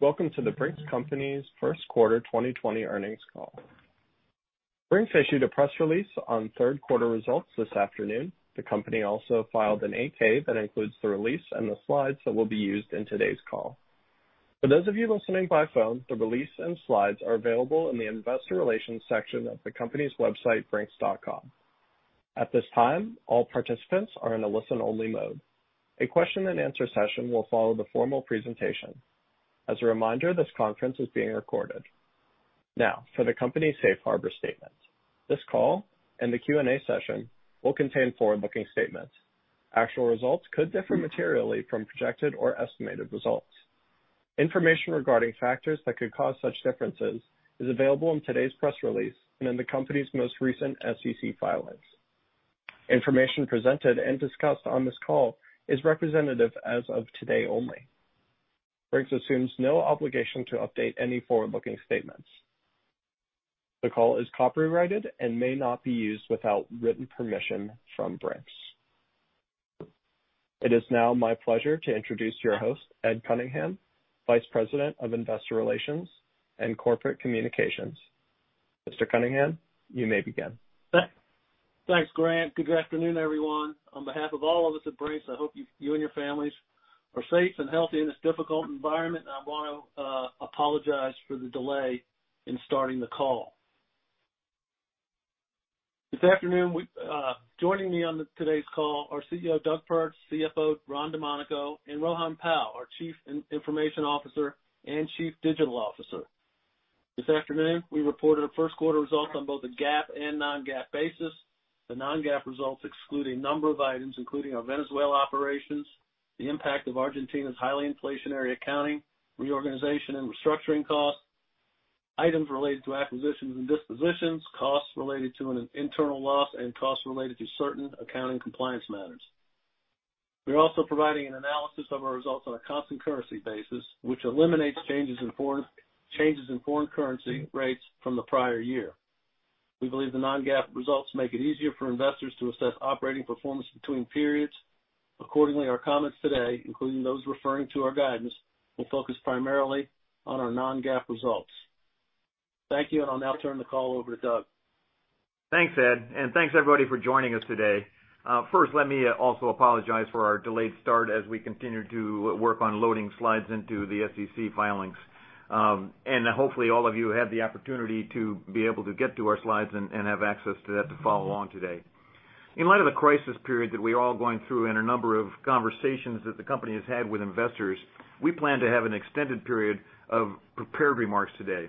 Welcome to The Brink's Company's first quarter 2020 earnings call. Brink's issued a press release on third quarter results this afternoon. The company also filed an 8-K that includes the release and the slides that will be used in today's call. For those of you listening by phone, the release and slides are available in the Investor Relations section of the company's website, brinks.com. At this time, all participants are in a listen-only mode. A question-and-answer session will follow the formal presentation. As a reminder, this conference is being recorded. Now, for the company's safe harbor statement. This call and the Q&A session will contain forward-looking statements. Actual results could differ materially from projected or estimated results. Information regarding factors that could cause such differences is available in today's press release and in the company's most recent SEC filings. Information presented and discussed on this call is representative as of today only. Brink's assumes no obligation to update any forward-looking statements. The call is copyrighted and may not be used without written permission from Brink's. It is now my pleasure to introduce your host, Ed Cunningham, Vice President of Investor Relations and Corporate Communications. Mr. Cunningham, you may begin. Thanks, Grant. Good afternoon, everyone. On behalf of all of us at Brink's, I hope you and your families are safe and healthy in this difficult environment, and I want to apologize for the delay in starting the call. This afternoon, joining me on today's call are CEO, Doug Pertz, CFO, Ron Domanico, and Rohan Pal, our Chief Information Officer and Chief Digital Officer. This afternoon, we reported our first quarter results on both a GAAP and non-GAAP basis. The non-GAAP results exclude a number of items, including our Venezuela operations, the impact of Argentina's highly inflationary accounting, reorganization and restructuring costs, items related to acquisitions and dispositions, costs related to an internal loss, and costs related to certain accounting compliance matters. We are also providing an analysis of our results on a constant currency basis, which eliminates changes in foreign currency rates from the prior year. We believe the non-GAAP results make it easier for investors to assess operating performance between periods. Accordingly, our comments today, including those referring to our guidance, will focus primarily on our non-GAAP results. Thank you and I'll now turn the call over to Doug. Thanks, Ed, and thanks everybody for joining us today. First, let me also apologize for our delayed start as we continue to work on loading slides into the SEC filings. Hopefully all of you had the opportunity to be able to get to our slides and have access to that to follow along today. In light of the crisis period that we are all going through and a number of conversations that the company has had with investors, we plan to have an extended period of prepared remarks today.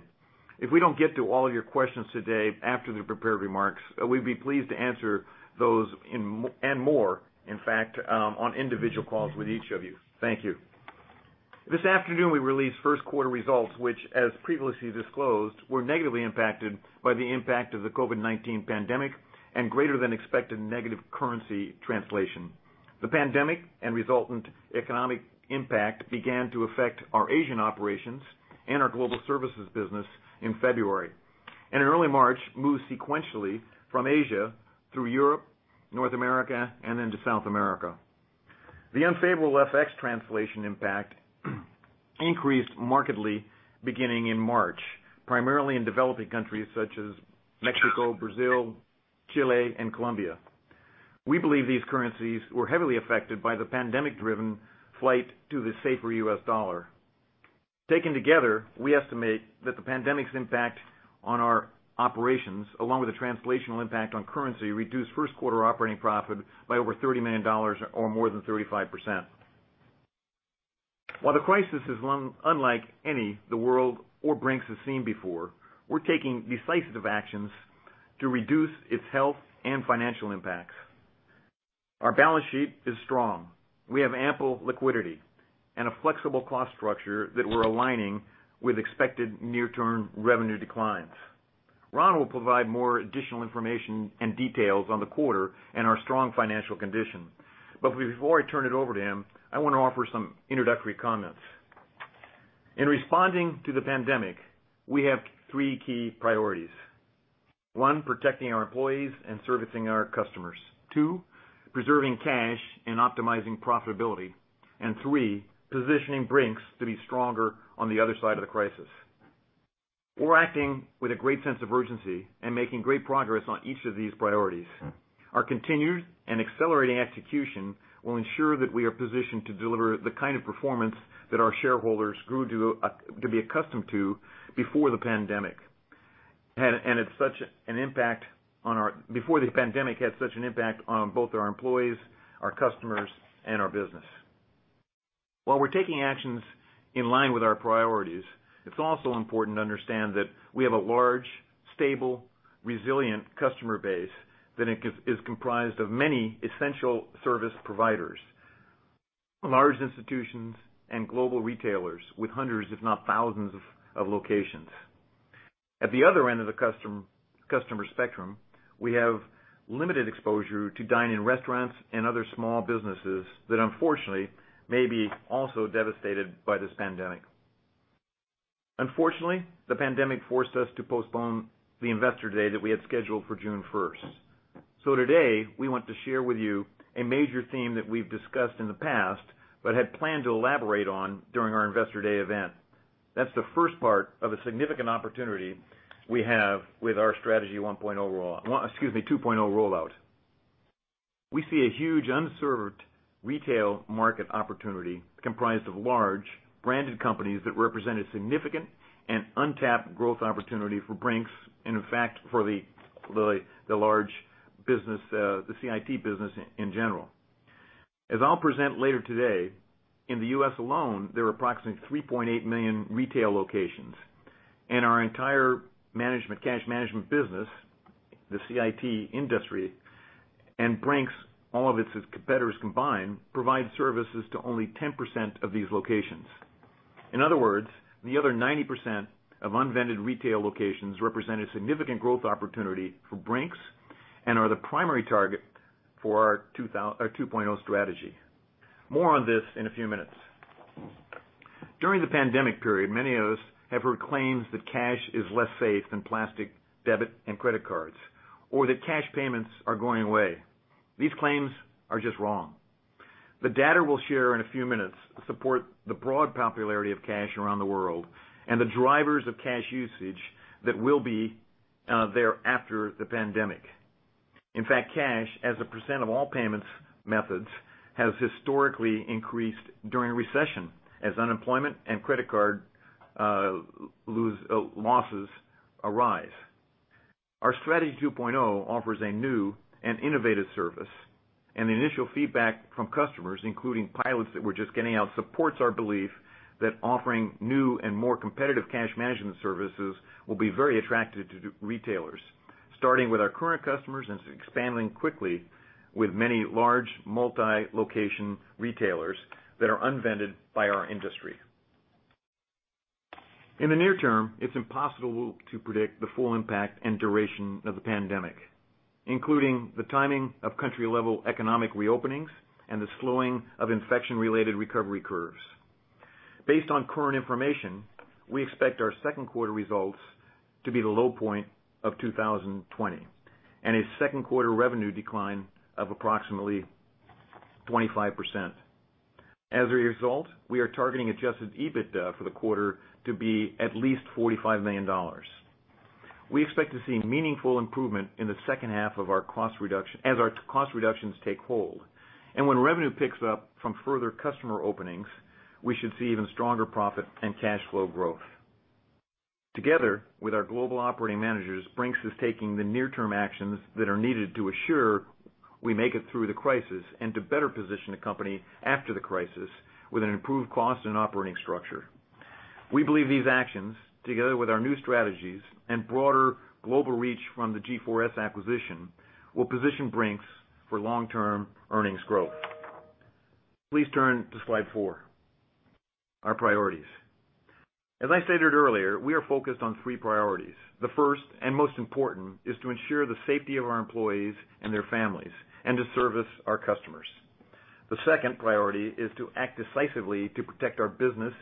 If we don't get to all of your questions today after the prepared remarks, we'd be pleased to answer those and more, in fact, on individual calls with each of you. Thank you. This afternoon we released first quarter results, which as previously disclosed, were negatively impacted by the impact of the COVID-19 pandemic and greater than expected negative currency translation. The pandemic and resultant economic impact began to affect our Asian operations and our global services business in February. In early March, moved sequentially from Asia through Europe, North America, and into South America. The unfavorable FX translation impact increased markedly beginning in March, primarily in developing countries such as Mexico, Brazil, Chile, and Colombia. We believe these currencies were heavily affected by the pandemic-driven flight to the safer U.S. dollar. Taken together, we estimate that the pandemic's impact on our operations, along with the translational impact on currency, reduced first quarter operating profit by over $30 million or more than 35%. While the crisis is unlike any the world or Brink's has seen before, we're taking decisive actions to reduce its health and financial impacts. Our balance sheet is strong. We have ample liquidity and a flexible cost structure that we're aligning with expected near-term revenue declines. Ron will provide more additional information and details on the quarter and our strong financial condition. Before I turn it over to him, I want to offer some introductory comments. In responding to the pandemic, we have three key priorities. One, protecting our employees and servicing our customers. Two, preserving cash and optimizing profitability. Three, positioning Brink's to be stronger on the other side of the crisis. We're acting with a great sense of urgency and making great progress on each of these priorities. Our continued and accelerating execution will ensure that we are positioned to deliver the kind of performance that our shareholders grew to be accustomed to before the pandemic. Before the pandemic had such an impact on both our employees, our customers, and our business. While we're taking actions in line with our priorities, it's also important to understand that we have a large, stable, resilient customer base that is comprised of many essential service providers. Large institutions and global retailers with hundreds, if not thousands of locations. At the other end of the customer spectrum, we have limited exposure to dine-in restaurants and other small businesses that unfortunately may be also devastated by this pandemic. Unfortunately, the pandemic forced us to postpone the Investor Day that we had scheduled for June 1st. Today, we want to share with you a major theme that we've discussed in the past but had planned to elaborate on during our Investor Day event. That's the first part of a significant opportunity we have with our Strategy 2.0 rollout. We see a huge unserved retail market opportunity comprised of large branded companies that represent a significant and untapped growth opportunity for Brink's, and in fact, for the large business, the CIT business in general. As I'll present later today, in the U.S. alone, there are approximately 3.8 million retail locations. Our entire cash management business, the CIT industry, and Brink's, all of its competitors combined, provide services to only 10% of these locations. In other words, the other 90% of unvended retail locations represent a significant growth opportunity for Brink's and are the primary target for our Strategy 2.0. More on this in a few minutes. During the pandemic period, many of us have heard claims that cash is less safe than plastic, debit, and credit cards, or that cash payments are going away. These claims are just wrong. The data we'll share in a few minutes support the broad popularity of cash around the world and the drivers of cash usage that will be there after the pandemic. In fact, cash, as a percent of all payments methods, has historically increased during a recession as unemployment and credit card losses arise. Our Strategy 2.0 offers a new and innovative service, and the initial feedback from customers, including pilots that we're just getting out, supports our belief that offering new and more competitive cash management services will be very attractive to retailers, starting with our current customers and expanding quickly with many large multi-location retailers that are unvended by our industry. In the near term, it's impossible to predict the full impact and duration of the pandemic, including the timing of country-level economic reopenings and the slowing of infection-related recovery curves. Based on current information, we expect our second quarter results to be the low point of 2020, and a second quarter revenue decline of approximately 25%. As a result, we are targeting adjusted EBITDA for the quarter to be at least $45 million. We expect to see meaningful improvement in the second half as our cost reductions take hold. When revenue picks up from further customer openings, we should see even stronger profit and cash flow growth. Together with our global operating managers, Brink's is taking the near-term actions that are needed to assure we make it through the crisis and to better position the company after the crisis with an improved cost and operating structure. We believe these actions, together with our new strategies and broader global reach from the G4S acquisition, will position Brink's for long-term earnings growth. Please turn to slide four, our priorities. As I stated earlier, we are focused on three priorities. The first and most important is to ensure the safety of our employees and their families and to service our customers. The second priority is to act decisively to protect our business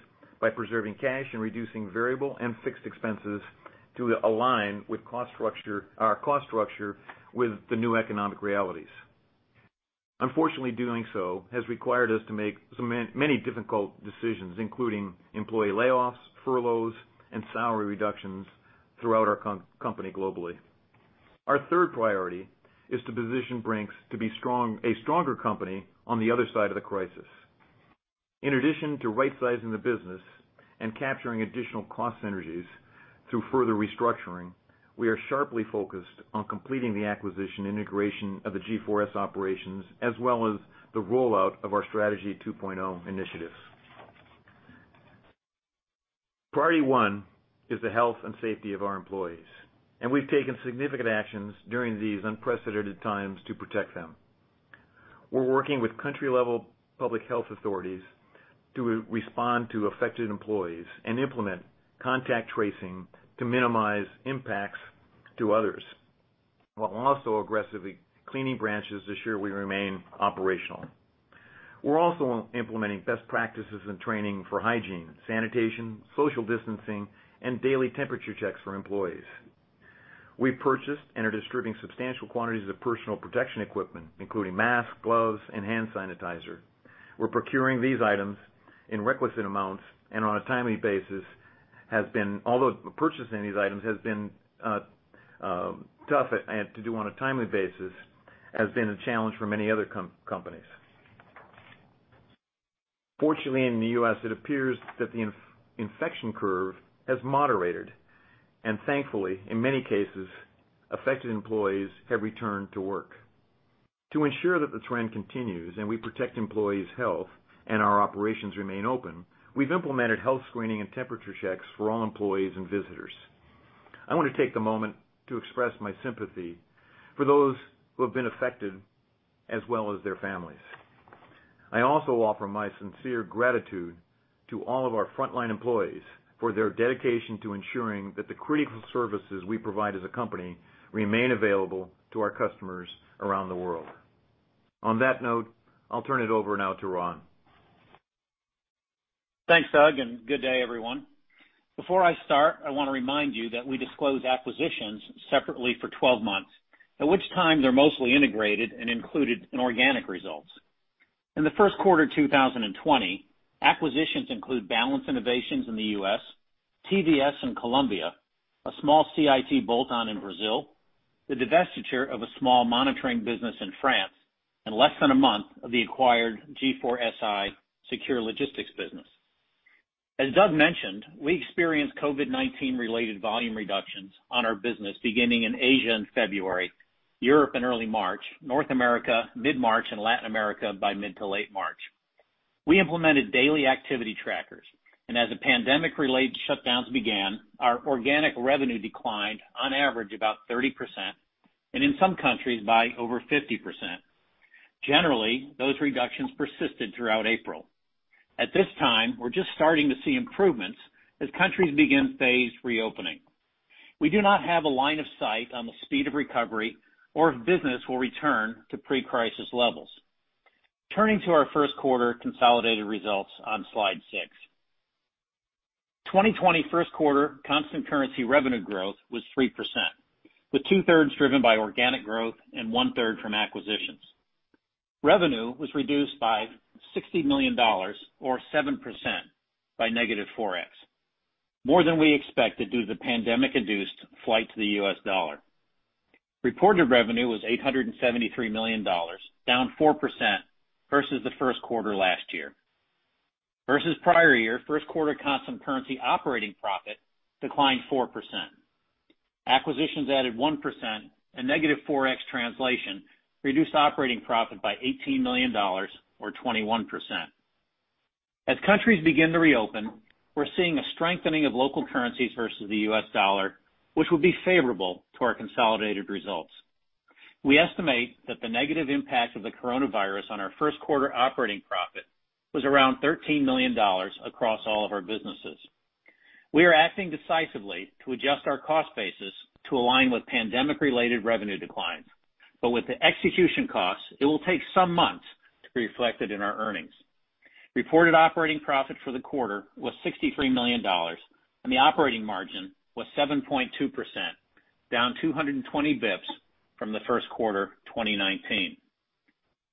by preserving cash and reducing variable and fixed expenses to align our cost structure with the new economic realities. Unfortunately, doing so has required us to make many difficult decisions, including employee layoffs, furloughs, and salary reductions throughout our company globally. Our third priority is to position Brink's to be a stronger company on the other side of the crisis. In addition to right-sizing the business and capturing additional cost synergies through further restructuring, we are sharply focused on completing the acquisition integration of the G4S operations, as well as the rollout of our Strategy 2.0 initiatives. Priority one is the health and safety of our employees. We've taken significant actions during these unprecedented times to protect them. We're working with country-level public health authorities to respond to affected employees and implement contact tracing to minimize impacts to others while also aggressively cleaning branches to ensure we remain operational. We're also implementing best practices and training for hygiene, sanitation, social distancing, and daily temperature checks for employees. We purchased and are distributing substantial quantities of personal protection equipment, including masks, gloves, and hand sanitizer. We're procuring these items in requisite amounts and on a timely basis. Although purchasing these items has been tough to do on a timely basis, a challenge for many other companies. Fortunately, in the U.S., it appears that the infection curve has moderated, and thankfully, in many cases, affected employees have returned to work. To ensure that the trend continues and we protect employees' health and our operations remain open, we've implemented health screening and temperature checks for all employees and visitors. I want to take the moment to express my sympathy for those who have been affected, as well as their families. I also offer my sincere gratitude to all of our frontline employees for their dedication to ensuring that the critical services we provide as a company remain available to our customers around the world. On that note, I'll turn it over now to Ron. Thanks, Doug. Good day everyone. Before I start, I want to remind you that we disclose acquisitions separately for 12 months, at which time they're mostly integrated and included in organic results. In the first quarter 2020, acquisitions include Balance Innovations in the U.S., TVS in Colombia, a small CIT bolt-on in Brazil, the divestiture of a small monitoring business in France, and less than a month of the acquired G4Si secure logistics business. As Doug mentioned, we experienced COVID-19 related volume reductions on our business beginning in Asia in February, Europe in early March, North America mid-March, and Latin America by mid to late March. We implemented daily activity trackers. As the pandemic-related shutdowns began, our organic revenue declined on average about 30%, and in some countries by over 50%. Generally, those reductions persisted throughout April. At this time, we're just starting to see improvements as countries begin phased reopening. We do not have a line of sight on the speed of recovery or if business will return to pre-crisis levels. Turning to our first quarter consolidated results on slide six. 2020 first quarter constant currency revenue growth was 3%, with 2/3 driven by organic growth and 1/3 from acquisitions. Revenue was reduced by $60 million or 7% by negative forex, more than we expected due to the pandemic-induced flight to the U.S. dollar. Reported revenue was $873 million, down 4% versus the first quarter last year. Versus prior year, first quarter constant currency operating profit declined 4%. Acquisitions added 1%, and negative forex translation reduced operating profit by $18 million or 21%. As countries begin to reopen, we're seeing a strengthening of local currencies versus the U.S. dollar, which will be favorable to our consolidated results. We estimate that the negative impact of the coronavirus on our first quarter operating profit was around $13 million across all of our businesses. With the execution costs, it will take some months to be reflected in our earnings. Reported operating profit for the quarter was $63 million, and the operating margin was 7.2%, down 220 basis points from the first quarter 2019.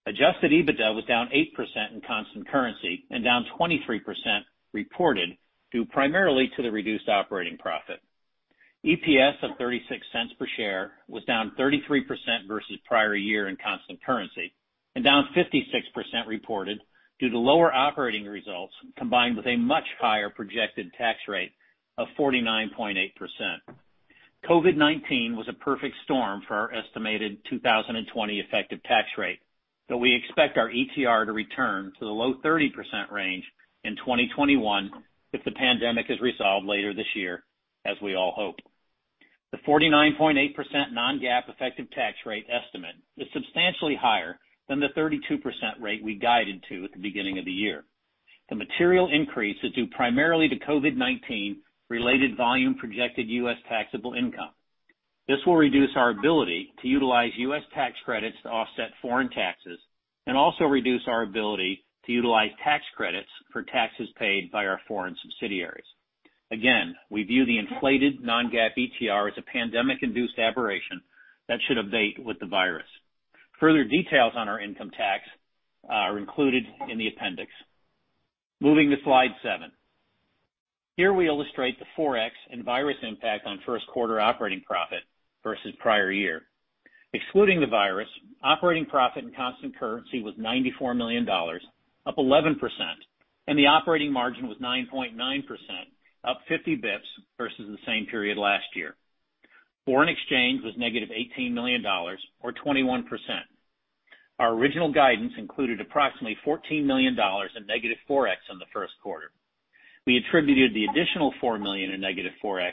Adjusted EBITDA was down 8% in constant currency and down 23% reported, due primarily to the reduced operating profit. EPS of $0.36 per share was down 33% versus prior year in constant currency and down 56% reported due to lower operating results, combined with a much higher projected tax rate of 49.8%. COVID-19 was a perfect storm for our estimated 2020 effective tax rate, though we expect our ETR to return to the low 30% range in 2021 if the pandemic is resolved later this year, as we all hope. The 49.8% non-GAAP effective tax rate estimate is substantially higher than the 32% rate we guided to at the beginning of the year. The material increase is due primarily to COVID-19 related volume projected U.S. taxable income. This will reduce our ability to utilize U.S. tax credits to offset foreign taxes and also reduce our ability to utilize tax credits for taxes paid by our foreign subsidiaries. Again, we view the inflated non-GAAP ETR as a pandemic-induced aberration that should abate with the virus. Further details on our income tax are included in the appendix. Moving to slide seven. Here we illustrate the forex and virus impact on first quarter operating profit versus prior year. Excluding the virus, operating profit and constant currency was $94 million, up 11%, and the operating margin was 9.9%, up 50 basis points versus the same period last year. Foreign exchange was -$18 million or 21%. Our original guidance included approximately $14 million in negative forex in the first quarter. We attributed the additional $4 million in negative forex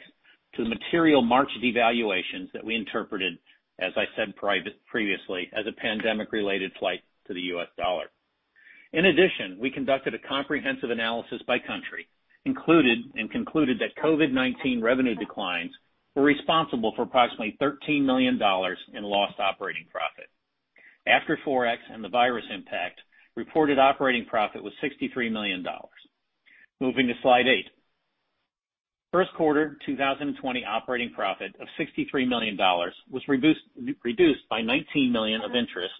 to the material March devaluations that we interpreted, as I said previously, as a pandemic-related flight to the U.S. dollar. In addition, we conducted a comprehensive analysis by country, and concluded that COVID-19 revenue declines were responsible for approximately $13 million in lost operating profit. After forex and the virus impact, reported operating profit was $63 million. Moving to slide eight. First quarter 2020 operating profit of $63 million was reduced by $19 million of interest,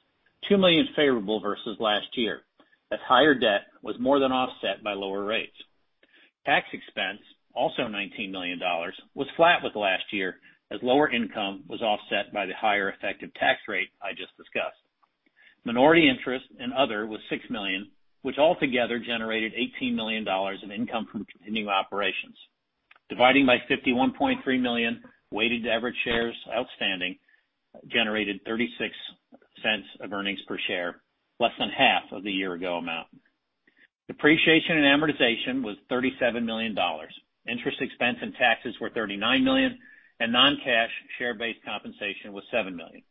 $2 million favorable versus last year, as higher debt was more than offset by lower rates. Tax expense, also $19 million, was flat with last year, as lower income was offset by the higher effective tax rate I just discussed. Minority interest and other was $6 million, which altogether generated $18 million in income from continuing operations. Dividing by 51.3 million weighted average shares outstanding generated $0.36 of earnings per share, less than half of the year ago amount. Depreciation and amortization was $37 million. Interest expense and taxes were $39 million, and non-cash share-based compensation was $7 million.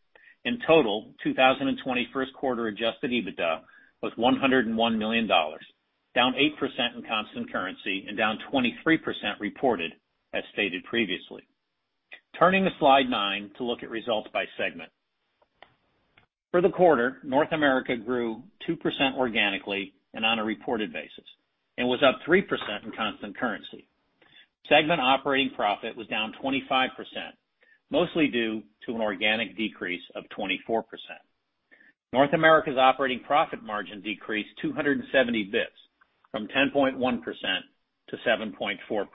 In total, 2020 first quarter adjusted EBITDA was $101 million, down 8% in constant currency and down 23% reported, as stated previously. Turning to slide nine to look at results by segment. For the quarter, North America grew 2% organically and on a reported basis and was up 3% in constant currency. Segment operating profit was down 25%, mostly due to an organic decrease of 24%. North America's operating profit margin decreased 270 basis points from 10.1% to 7.4%.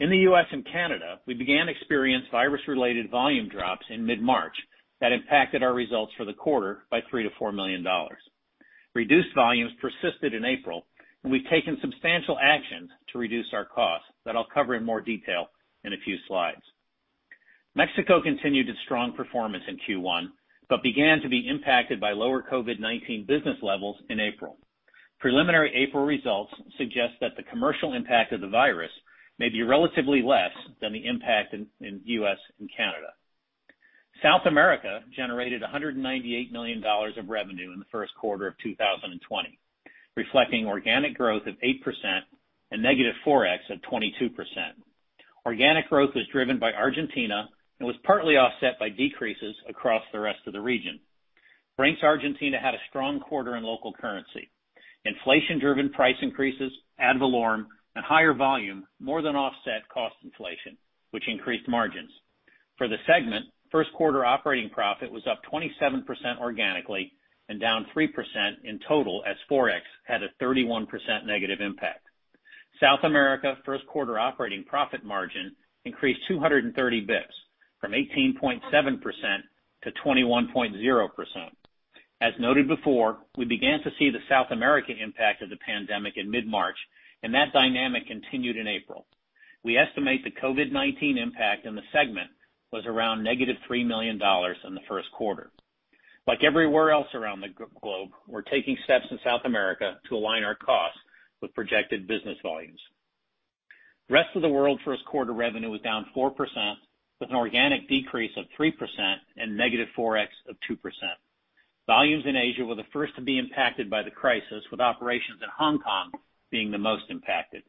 In the U.S. and Canada, we began to experience virus-related volume drops in mid-March that impacted our results for the quarter by $3 million-$4 million. Reduced volumes persisted in April, and we've taken substantial action to reduce our costs that I'll cover in more detail in a few slides. Mexico continued its strong performance in Q1, but began to be impacted by lower COVID-19 business levels in April. Preliminary April results suggest that the commercial impact of the virus may be relatively less than the impact in U.S. and Canada. South America generated $198 million of revenue in the first quarter of 2020, reflecting organic growth of 8% and negative forex of 22%. Organic growth was driven by Argentina and was partly offset by decreases across the rest of the region. Brink's Argentina had a strong quarter in local currency. Inflation-driven price increases, ad valorem, and higher volume more than offset cost inflation, which increased margins. For the segment, first quarter operating profit was up 27% organically and down 3% in total as forex had a 31% negative impact. South America first quarter operating profit margin increased 230 basis points from 18.7% to 21.0%. As noted before, we began to see the South America impact of the pandemic in mid-March. That dynamic continued in April. We estimate the COVID-19 impact in the segment was around -$3 million in the first quarter. Like everywhere else around the globe, we're taking steps in South America to align our costs with projected business volumes. Rest of the world first quarter revenue was down 4% with an organic decrease of 3% and negative forex of 2%. Volumes in Asia were the first to be impacted by the crisis, with operations in Hong Kong being the most impacted.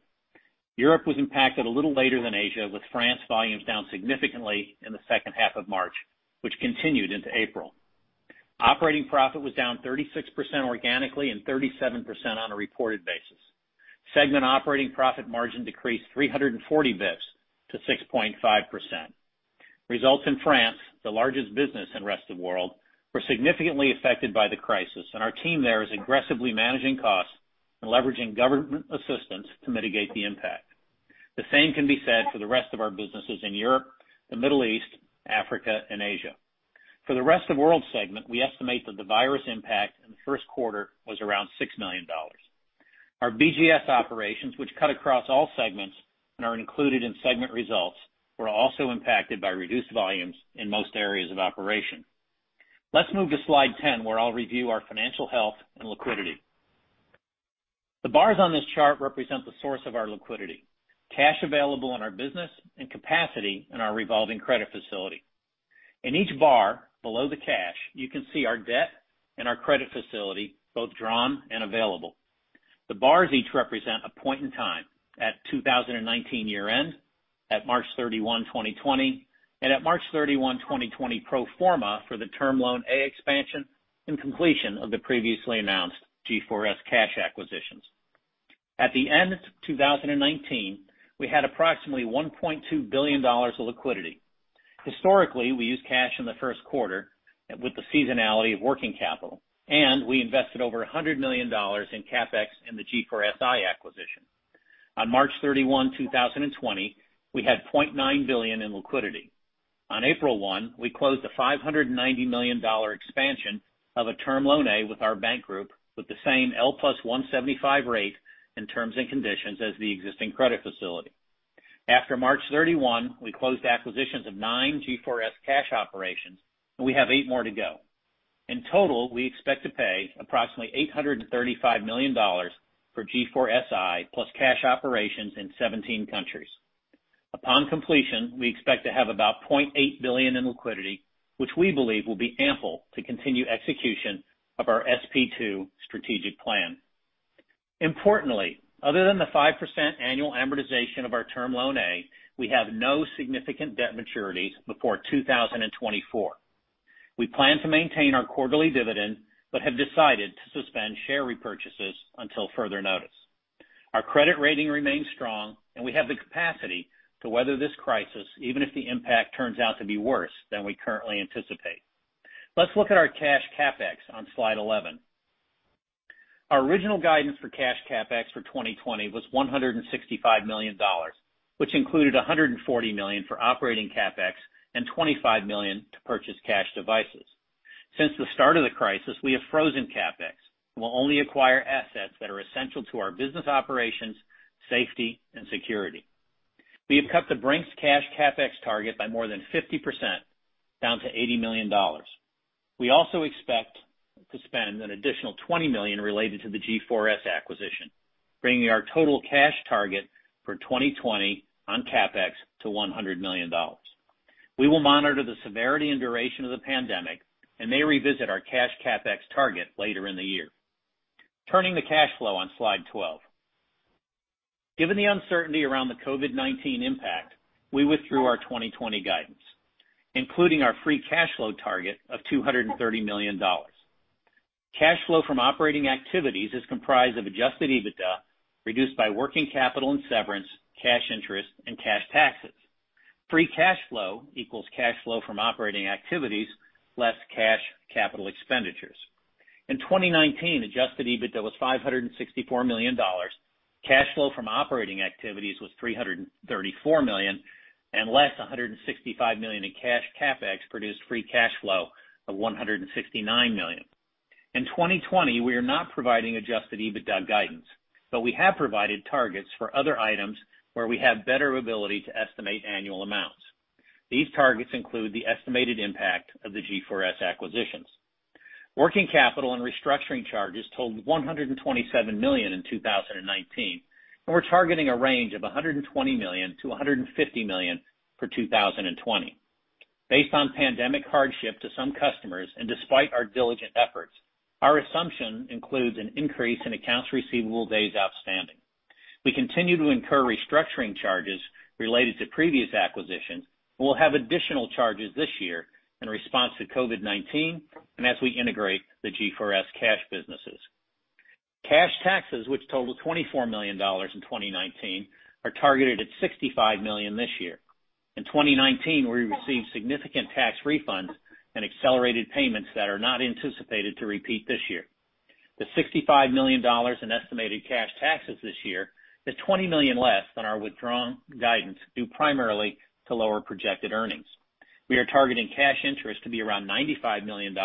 Europe was impacted a little later than Asia, with France volumes down significantly in the second half of March, which continued into April. Operating profit was down 36% organically and 37% on a reported basis. Segment operating profit margin decreased 340 basis points to 6.5%. Results in France, the largest business in rest of world, were significantly affected by the crisis. Our team there is aggressively managing costs and leveraging government assistance to mitigate the impact. The same can be said for the rest of our businesses in Europe, the Middle East, Africa, and Asia. For the rest of world segment, we estimate that the virus impact in the first quarter was around $6 million. Our BGS operations, which cut across all segments and are included in segment results, were also impacted by reduced volumes in most areas of operation. Let's move to slide 10, where I'll review our financial health and liquidity. The bars on this chart represent the source of our liquidity, cash available in our business, and capacity in our revolving credit facility. In each bar below the cash, you can see our debt and our credit facility both drawn and available. The bars each represent a point in time at 2019 year-end, at March 31, 2020, and at March 31, 2020 pro forma for the Term Loan A expansion and completion of the previously announced G4S Cash acquisitions. At the end of 2019, we had approximately $1.2 billion of liquidity. Historically, we used cash in the first quarter with the seasonality of working capital, and we invested over $100 million in CapEx in the G4Si acquisition. On March 31, 2020, we had $0.9 billion in liquidity. On April 1, we closed a $590 million expansion of a Term Loan A with our bank group with the same L plus 1.75% rate and terms and conditions as the existing credit facility. After March 31, we closed acquisitions of nine G4S Cash operations. We have eight more to go. In total, we expect to pay approximately $835 million for G4Si plus Cash operations in 17 countries. Upon completion, we expect to have about $0.8 billion in liquidity, which we believe will be ample to continue execution of our SP2 strategic plan. Importantly, other than the 5% annual amortization of our Term Loan A, we have no significant debt maturities before 2024. We plan to maintain our quarterly dividend but have decided to suspend share repurchases until further notice. Our credit rating remains strong, and we have the capacity to weather this crisis, even if the impact turns out to be worse than we currently anticipate. Let's look at our cash CapEx on slide 11. Our original guidance for cash CapEx for 2020 was $165 million, which included $140 million for operating CapEx and $25 million to purchase cash devices. Since the start of the crisis, we have frozen CapEx and will only acquire assets that are essential to our business operations, safety, and security. We have cut the Brink's cash CapEx target by more than 50%, down to $80 million. We also expect to spend an additional $20 million related to the G4S acquisition, bringing our total cash target for 2020 on CapEx to $100 million. We will monitor the severity and duration of the pandemic and may revisit our cash CapEx target later in the year. Turning to cash flow on slide 12. Given the uncertainty around the COVID-19 impact, we withdrew our 2020 guidance, including our free cash flow target of $230 million. Cash flow from operating activities is comprised of adjusted EBITDA, reduced by working capital and severance, cash interest, and cash taxes. Free cash flow equals cash flow from operating activities less cash capital expenditures. In 2019, adjusted EBITDA was $564 million, cash flow from operating activities was $334 million, and less $165 million in cash CapEx produced free cash flow of $169 million. In 2020, we are not providing adjusted EBITDA guidance, but we have provided targets for other items where we have better ability to estimate annual amounts. These targets include the estimated impact of the G4S acquisitions. Working capital and restructuring charges totaled $127 million in 2019, and we're targeting a range of $120 million-$150 million for 2020. Based on pandemic hardship to some customers, and despite our diligent efforts, our assumption includes an increase in accounts receivable days outstanding. We continue to incur restructuring charges related to previous acquisitions, and we'll have additional charges this year in response to COVID-19 and as we integrate the G4S Cash businesses. Cash taxes, which totaled $24 million in 2019, are targeted at $65 million this year. In 2019, we received significant tax refunds and accelerated payments that are not anticipated to repeat this year. The $65 million in estimated cash taxes this year is $20 million less than our withdrawn guidance, due primarily to lower projected earnings. We are targeting cash interest to be around $95 million,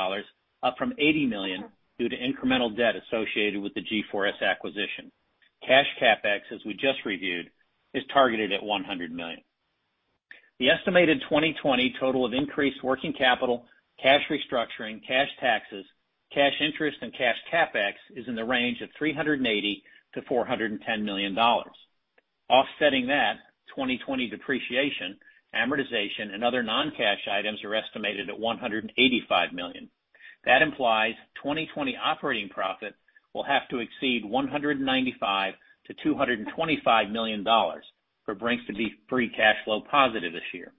up from $80 million, due to incremental debt associated with the G4S acquisition. Cash CapEx, as we just reviewed, is targeted at $100 million. The estimated 2020 total of increased working capital, cash restructuring, cash taxes, cash interest, and cash CapEx is in the range of $380 million-$410 million. Offsetting that, 2020 depreciation, amortization, and other non-cash items are estimated at $185 million. That implies 2020 operating profit will have to exceed $195 million-$225 million for Brink's to be free cash flow positive this year.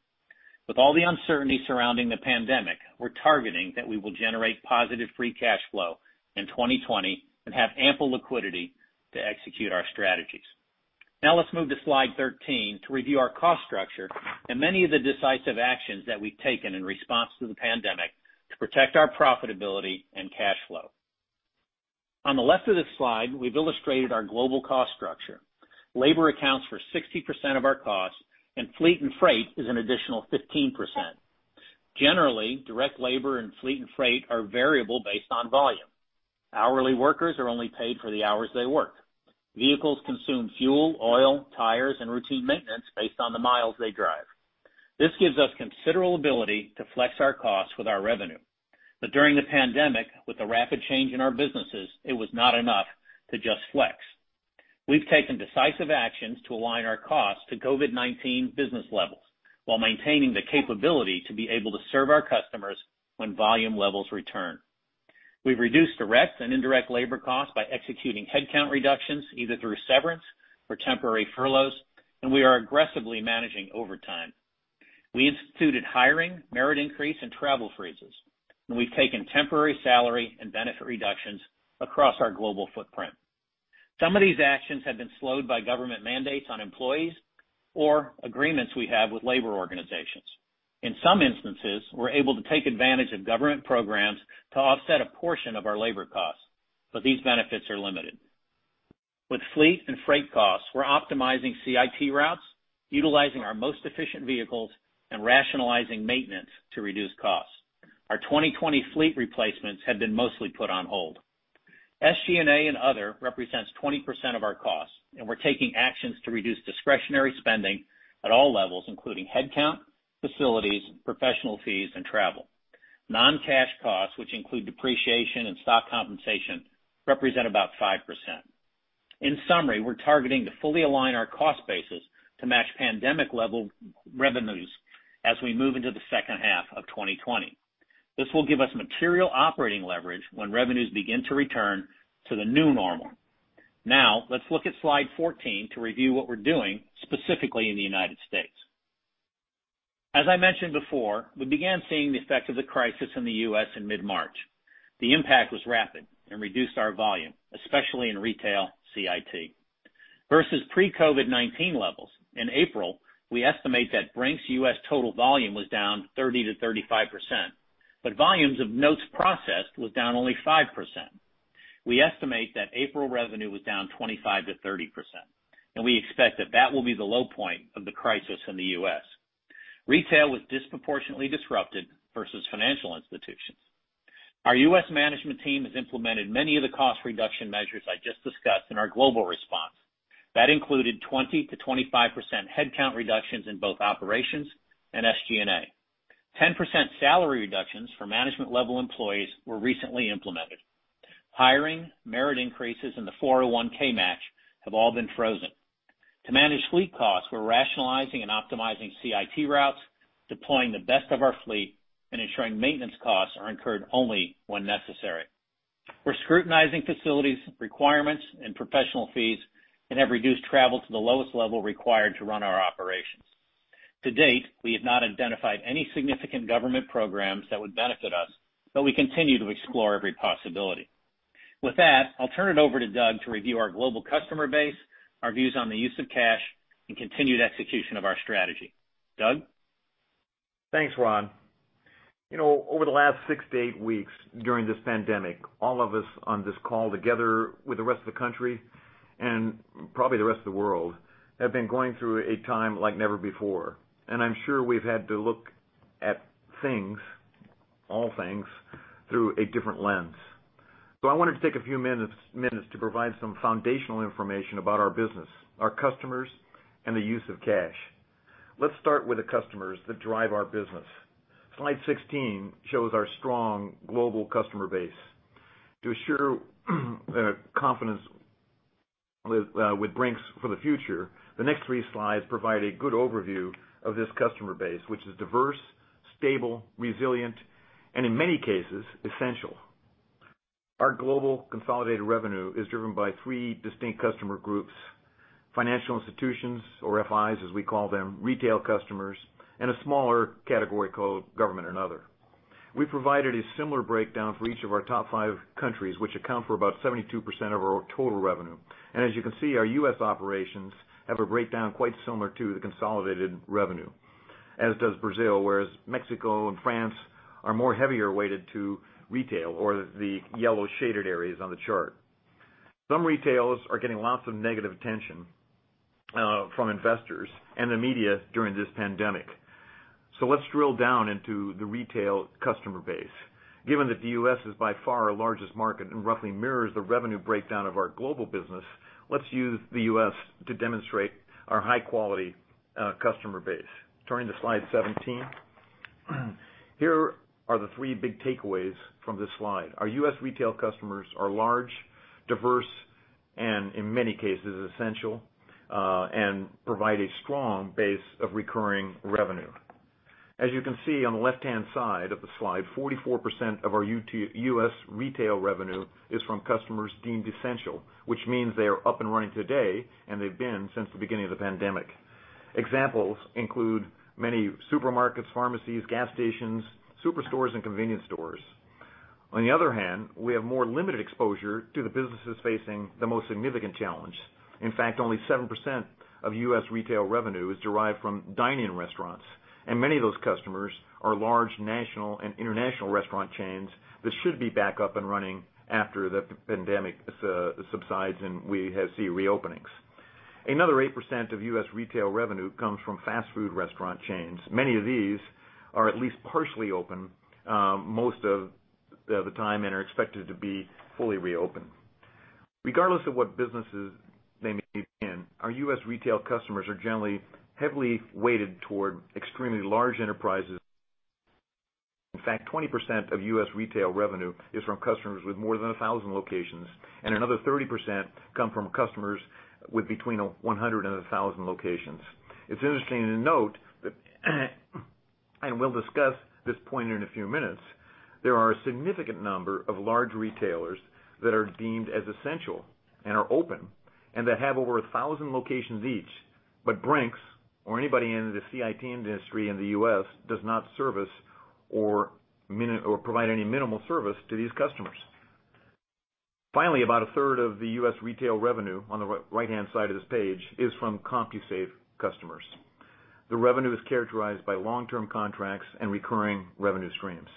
With all the uncertainty surrounding the pandemic, we're targeting that we will generate positive free cash flow in 2020 and have ample liquidity to execute our strategies. Let's move to slide 13 to review our cost structure and many of the decisive actions that we've taken in response to the pandemic to protect our profitability and cash flow. On the left of this slide, we've illustrated our global cost structure. Labor accounts for 60% of our costs, and fleet and freight is an additional 15%. Generally, direct labor and fleet and freight are variable based on volume. Hourly workers are only paid for the hours they work. Vehicles consume fuel, oil, tires, and routine maintenance based on the miles they drive. This gives us considerable ability to flex our costs with our revenue. During the pandemic, with the rapid change in our businesses, it was not enough to just flex. We've taken decisive actions to align our costs to COVID-19 business levels while maintaining the capability to be able to serve our customers when volume levels return. We've reduced direct and indirect labor costs by executing headcount reductions, either through severance or temporary furloughs, and we are aggressively managing overtime. We instituted hiring, merit increase, and travel freezes, and we've taken temporary salary and benefit reductions across our global footprint. Some of these actions have been slowed by government mandates on employees or agreements we have with labor organizations. In some instances, we're able to take advantage of government programs to offset a portion of our labor costs, but these benefits are limited. With fleet and freight costs, we're optimizing CIT routes, utilizing our most efficient vehicles, and rationalizing maintenance to reduce costs. Our 2020 fleet replacements have been mostly put on hold. SG&A and other represents 20% of our costs, and we're taking actions to reduce discretionary spending at all levels, including headcount, facilities, professional fees, and travel. Non-cash costs, which include depreciation and stock compensation, represent about 5%. In summary, we're targeting to fully align our cost bases to match pandemic-level revenues as we move into the second half of 2020. This will give us material operating leverage when revenues begin to return to the new normal. Now, let's look at slide 14 to review what we're doing specifically in the United States. As I mentioned before, we began seeing the effect of the crisis in the U.S. in mid-March. The impact was rapid and reduced our volume, especially in retail CIT. Versus pre-COVID-19 levels, in April, we estimate that Brink's U.S. total volume was down 30%-35%, but volumes of notes processed was down only 5%. We estimate that April revenue was down 25%-30%, and we expect that that will be the low point of the crisis in the U.S. Retail was disproportionately disrupted versus financial institutions. Our U.S. management team has implemented many of the cost reduction measures I just discussed in our global response. That included 20%-25% headcount reductions in both operations and SG&A. 10% salary reductions for management-level employees were recently implemented. Hiring, merit increases, and the 401(k) match have all been frozen. To manage fleet costs, we're rationalizing and optimizing CIT routes, deploying the best of our fleet, and ensuring maintenance costs are incurred only when necessary. We're scrutinizing facilities, requirements, and professional fees and have reduced travel to the lowest level required to run our operations. To date, we have not identified any significant government programs that would benefit us. We continue to explore every possibility. With that, I'll turn it over to Doug to review our global customer base, our views on the use of cash, and continued execution of our strategy. Doug? Thanks, Ron. Over the last six to eight weeks during this pandemic, all of us on this call, together with the rest of the country, probably the rest of the world, have been going through a time like never before. I'm sure we've had to look at things, all things, through a different lens. I wanted to take a few minutes to provide some foundational information about our business, our customers, and the use of cash. Let's start with the customers that drive our business. Slide 16 shows our strong global customer base. To assure confidence with Brink's for the future, the next three slides provide a good overview of this customer base, which is diverse, stable, resilient, and in many cases, essential. Our global consolidated revenue is driven by three distinct customer groups, financial institutions, or FIs, as we call them, retail customers, and a smaller category called government and other. We've provided a similar breakdown for each of our top five countries, which account for about 72% of our total revenue. As you can see, our U.S. operations have a breakdown quite similar to the consolidated revenue, as does Brazil, whereas Mexico and France are more heavier weighted to retail or the yellow shaded areas on the chart. Some retails are getting lots of negative attention from investors and the media during this pandemic. Let's drill down into the retail customer base. Given that the U.S. is by far our largest market and roughly mirrors the revenue breakdown of our global business, let's use the U.S. to demonstrate our high-quality customer base. Turning to slide 17. Here are the three big takeaways from this slide. Our U.S. retail customers are large, diverse, and in many cases, essential, and provide a strong base of recurring revenue. As you can see on the left-hand side of the slide, 44% of our U.S. retail revenue is from customers deemed essential, which means they are up and running today, and they've been since the beginning of the pandemic. Examples include many supermarkets, pharmacies, gas stations, superstores, and convenience stores. On the other hand, we have more limited exposure to the businesses facing the most significant challenge. In fact, only 7% of U.S. retail revenue is derived from dine-in restaurants. Many of those customers are large national and international restaurant chains that should be back up and running after the pandemic subsides and we see reopenings. Another 8% of U.S. retail revenue comes from fast food restaurant chains. Many of these are at least partially open most of the time and are expected to be fully reopened. Regardless of what businesses they may be in, our U.S. retail customers are generally heavily weighted toward extremely large enterprises. In fact, 20% of U.S. retail revenue is from customers with more than 1,000 locations, and another 30% come from customers with between 100 and 1,000 locations. It's interesting to note that, and we'll discuss this point here in a few minutes, there are a significant number of large retailers that are deemed as essential and are open and that have over 1,000 locations each. Brink's or anybody in the CIT industry in the U.S. does not service or provide any minimal service to these customers. Finally, about a 1/3 of the U.S. retail revenue on the right-hand side of this page is from CompuSafe customers. The revenue is characterized by long-term contracts and recurring revenue streams.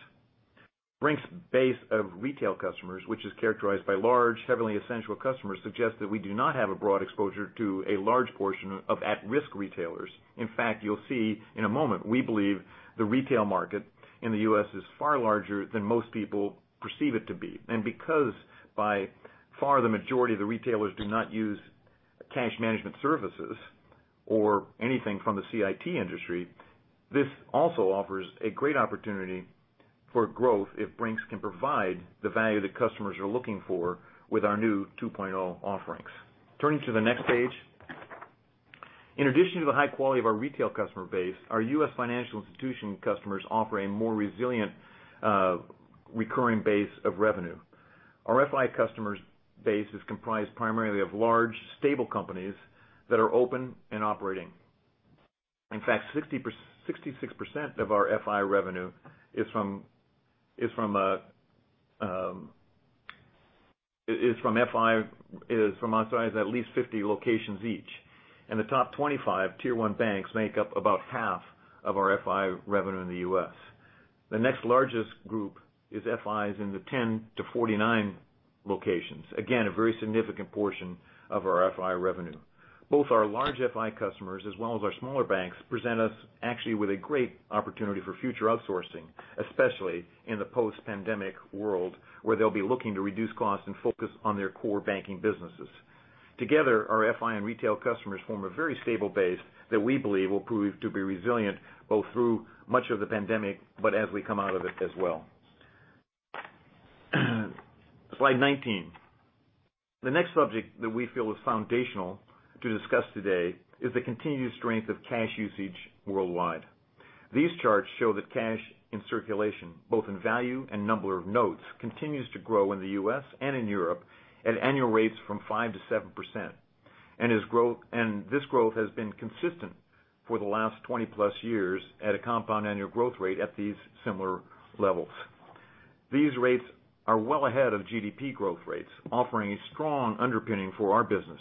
Brink's base of retail customers, which is characterized by large, heavily essential customers, suggests that we do not have a broad exposure to a large portion of at-risk retailers. In fact, you'll see in a moment, we believe the retail market in the U.S. is far larger than most people perceive it to be. Because by far the majority of the retailers do not use cash management services or anything from the CIT industry, this also offers a great opportunity for growth if Brink's can provide the value that customers are looking for with our new 2.0 offerings. Turning to the next page. In addition to the high quality of our retail customer base, our U.S. financial institution customers offer a more resilient recurring base of revenue. Our FI customers base is comprised primarily of large, stable companies that are open and operating. 66% of our FI revenue is from FIs that are at least 50 locations each. The top 25 Tier 1 banks make up about 1/2 of our FI revenue in the U.S. The next largest group is FIs in the 10-49 locations. Again, a very significant portion of our FI revenue. Both our large FI customers as well as our smaller banks present us actually with a great opportunity for future outsourcing, especially in the post-pandemic world where they'll be looking to reduce costs and focus on their core banking businesses. Together, our FI and retail customers form a very stable base that we believe will prove to be resilient both through much of the pandemic, but as we come out of it as well. Slide 19. The next subject that we feel is foundational to discuss today is the continued strength of cash usage worldwide. These charts show that cash in circulation, both in value and number of notes, continues to grow in the U.S. and in Europe at annual rates from 5%-7%. This growth has been consistent for the last 20+ years at a compound annual growth rate at these similar levels. These rates are well ahead of GDP growth rates, offering a strong underpinning for our business,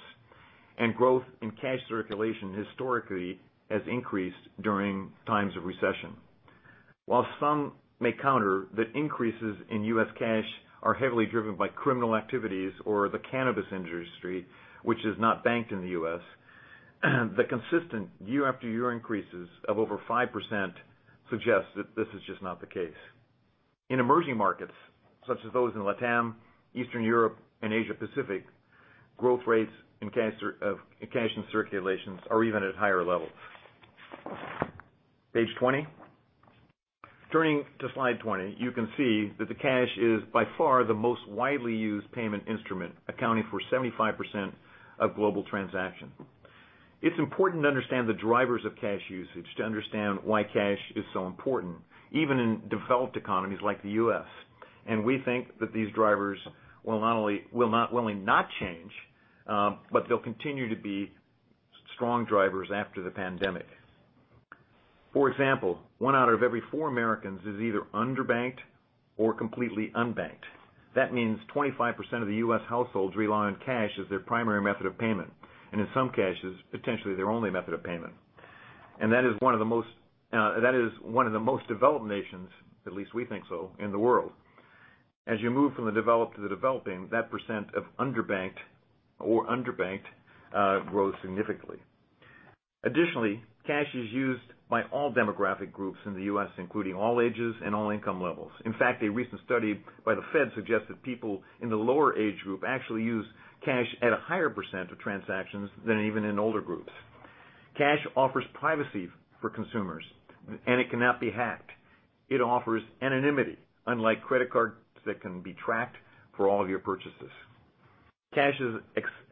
and growth in cash circulation historically has increased during times of recession. While some may counter that increases in U.S. cash are heavily driven by criminal activities or the cannabis industry, which is not banked in the U.S., the consistent year-after-year increases of over 5% suggests that this is just not the case. In emerging markets such as those in LATAM, Eastern Europe, and Asia-Pacific, growth rates of cash in circulations are even at higher levels. Page 20. Turning to slide 20, you can see that the cash is by far the most widely used payment instrument, accounting for 75% of global transactions. It's important to understand the drivers of cash usage to understand why cash is so important, even in developed economies like the U.S., and we think that these drivers will not change, but they'll continue to be strong drivers after the pandemic. For example, one out of every four Americans is either underbanked or completely unbanked. That means 25% of the U.S. households rely on cash as their primary method of payment, and in some cases, potentially their only method of payment. That is one of the most developed nations, at least we think so, in the world. As you move from the developed to the developing, that percent of underbanked or unbanked grows significantly. Additionally, cash is used by all demographic groups in the U.S., including all ages and all income levels. In fact, a recent study by the Fed suggests that people in the lower age group actually use cash at a higher percent of transactions than even in older groups. Cash offers privacy for consumers, and it cannot be hacked. It offers anonymity, unlike credit cards that can be tracked for all of your purchases. Cash is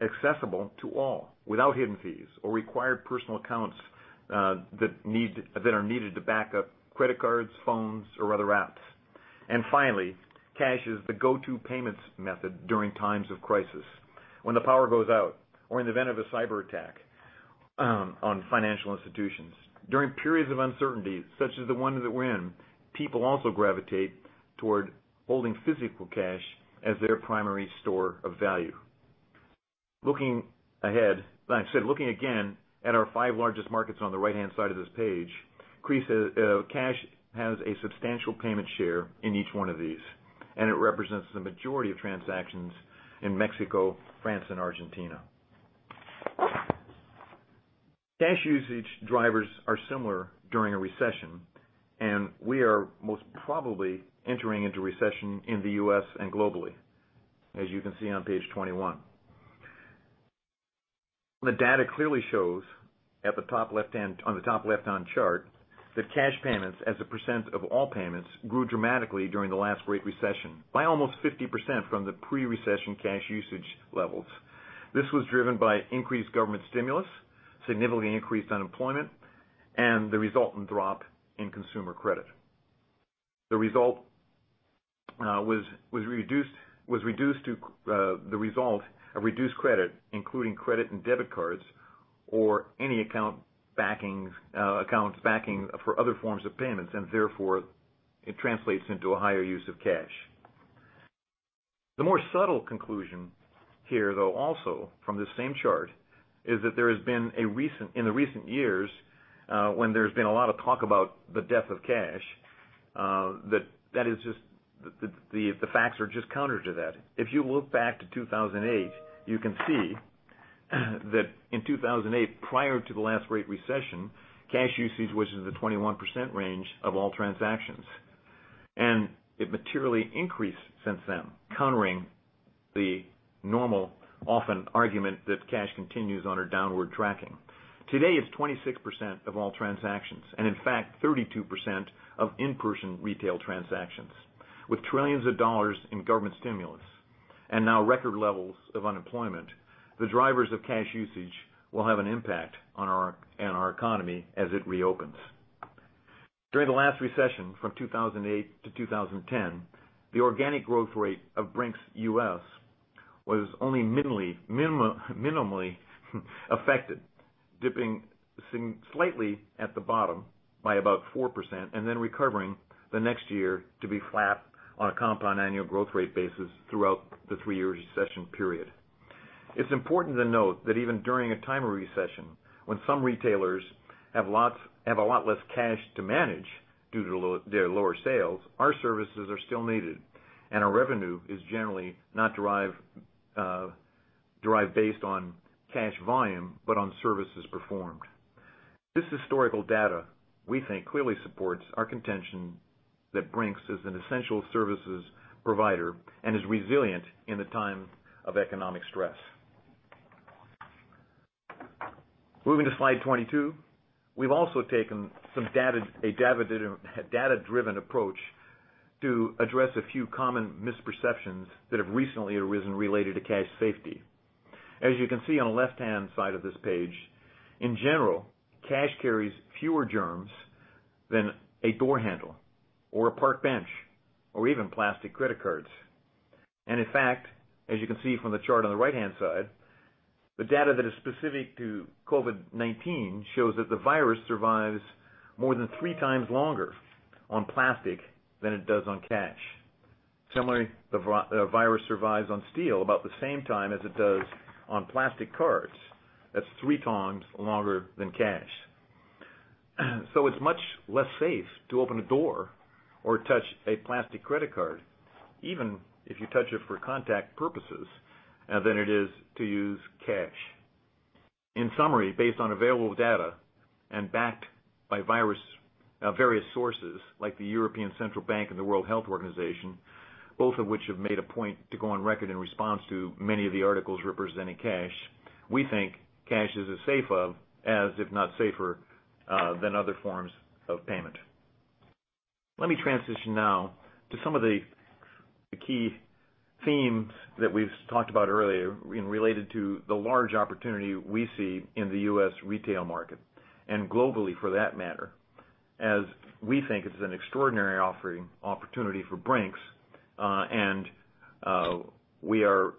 accessible to all without hidden fees or required personal accounts that are needed to back up credit cards, phones, or other apps. Finally, cash is the go-to payments method during times of crisis, when the power goes out or in the event of a cyberattack on financial institutions. During periods of uncertainty, such as the one that we're in, people also gravitate toward holding physical cash as their primary store of value. Looking again at our five largest markets on the right-hand side of this page, cash has a substantial payment share in each one of these, and it represents the majority of transactions in Mexico, France, and Argentina. Cash usage drivers are similar during a recession, and we are most probably entering into recession in the U.S. and globally, as you can see on page 21. The data clearly shows on the top left-hand chart that cash payments as a percent of all payments grew dramatically during the last Great Recession by almost 50% from the pre-recession cash usage levels. This was driven by increased government stimulus, significantly increased unemployment, and the resultant drop in consumer credit. The result of reduced credit, including credit and debit cards or any account backing for other forms of payments, and therefore it translates into a higher use of cash. The more subtle conclusion here, though, also from this same chart, is that there has been in the recent years, when there's been a lot of talk about the death of cash, the facts are just counter to that. If you look back to 2008, you can see that in 2008, prior to the last Great Recession, cash usage was in the 21% range of all transactions, and it materially increased since then, countering the normal often argument that cash continues on a downward tracking. Today, it's 26% of all transactions and, in fact, 32% of in-person retail transactions. With trillions of dollars in government stimulus and now record levels of unemployment, the drivers of cash usage will have an impact on our economy as it reopens. During the last recession from 2008-2010, the organic growth rate of Brink's U.S. was only minimally affected, dipping slightly at the bottom by about 4% and then recovering the next year to be flat on a compound annual growth rate basis throughout the three year recession period. It's important to note that even during a time of recession, when some retailers have a lot less cash to manage due to their lower sales, our services are still needed, and our revenue is generally not derived based on cash volume but on services performed. This historical data, we think, clearly supports our contention that Brink's is an essential services provider and is resilient in the times of economic stress. Moving to slide 22. We've also taken a data-driven approach to address a few common misperceptions that have recently arisen related to cash safety. As you can see on the left-hand side of this page, in general, cash carries fewer germs than a door handle or a park bench, or even plastic credit cards. In fact, as you can see from the chart on the right-hand side, the data that is specific to COVID-19 shows that the virus survives more than 3x longer on plastic than it does on cash. Similarly, the virus survives on steel about the same time as it does on plastic cards. That's 3x longer than cash. It's much less safe to open a door or touch a plastic credit card, even if you touch it for contact purposes, than it is to use cash. In summary, based on available data and backed by various sources like the European Central Bank and the World Health Organization, both of which have made a point to go on record in response to many of the articles representing cash, we think cash is as safe as, if not safer, than other forms of payment. Let me transition now to some of the key themes that we've talked about earlier related to the large opportunity we see in the U.S. retail market, and globally for that matter, as we think it's an extraordinary opportunity for Brink's. We are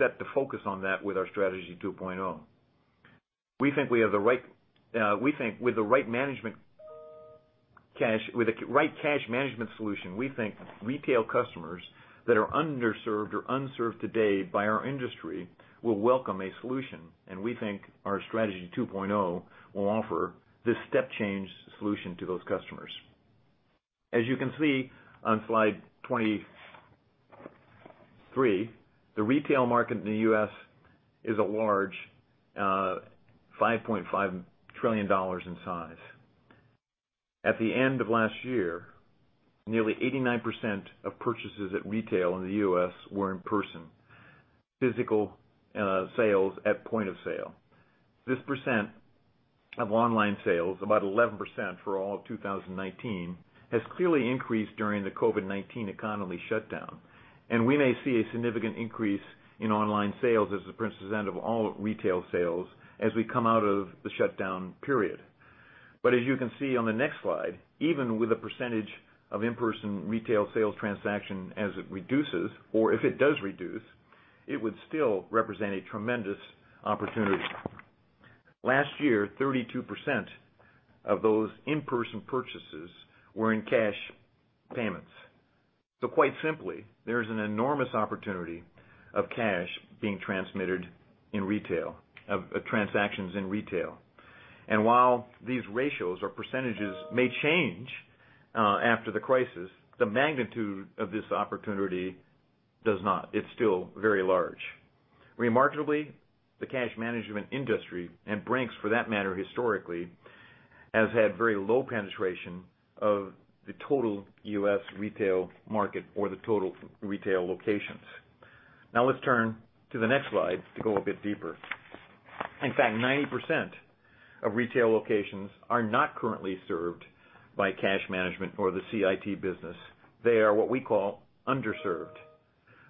set to focus on that with our Strategy 2.0. With the right cash management solution, we think retail customers that are underserved or unserved today by our industry will welcome a solution, and we think our Strategy 2.0 will offer this step change solution to those customers. As you can see on slide 23, the retail market in the U.S. is a large $5.5 trillion in size. At the end of last year, nearly 89% of purchases at retail in the U.S. were in person, physical sales at point of sale. This percent of online sales, about 11% for all of 2019, has clearly increased during the COVID-19 economy shutdown. We may see a significant increase in online sales as a percent of all retail sales as we come out of the shutdown period. As you can see on the next slide, even with the percentage of in-person retail sales transaction as it reduces, or if it does reduce, it would still represent a tremendous opportunity. Last year, 32% of those in-person purchases were in cash payments. Quite simply, there is an enormous opportunity of transactions in retail. While these ratios or percentages may change after the crisis, the magnitude of this opportunity does not. It's still very large. Remarkably, the cash management industry, and Brink's for that matter historically, has had very low penetration of the total U.S. retail market or the total retail locations. Let's turn to the next slide to go a bit deeper. In fact, 90% of retail locations are not currently served by cash management or the CIT business. They are what we call underserved.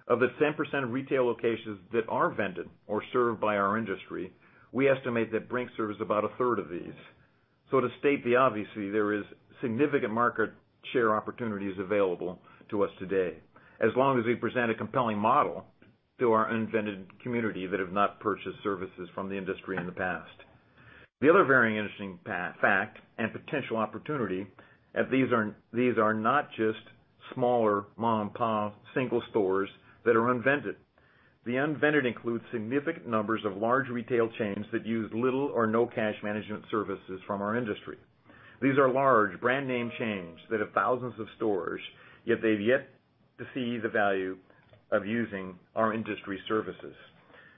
Of the 10% of retail locations that are vended or served by our industry, we estimate that Brink's serves about a third of these. To state the obvious, there is significant market share opportunities available to us today, as long as we present a compelling model to our unvended community that have not purchased services from the industry in the past. The other very interesting fact and potential opportunity, these are not just smaller mom-and-pop single stores that are unvended. The unvended includes significant numbers of large retail chains that use little or no cash management services from our industry. These are large brand name chains that have thousands of stores, yet they've yet to see the value of using our industry services.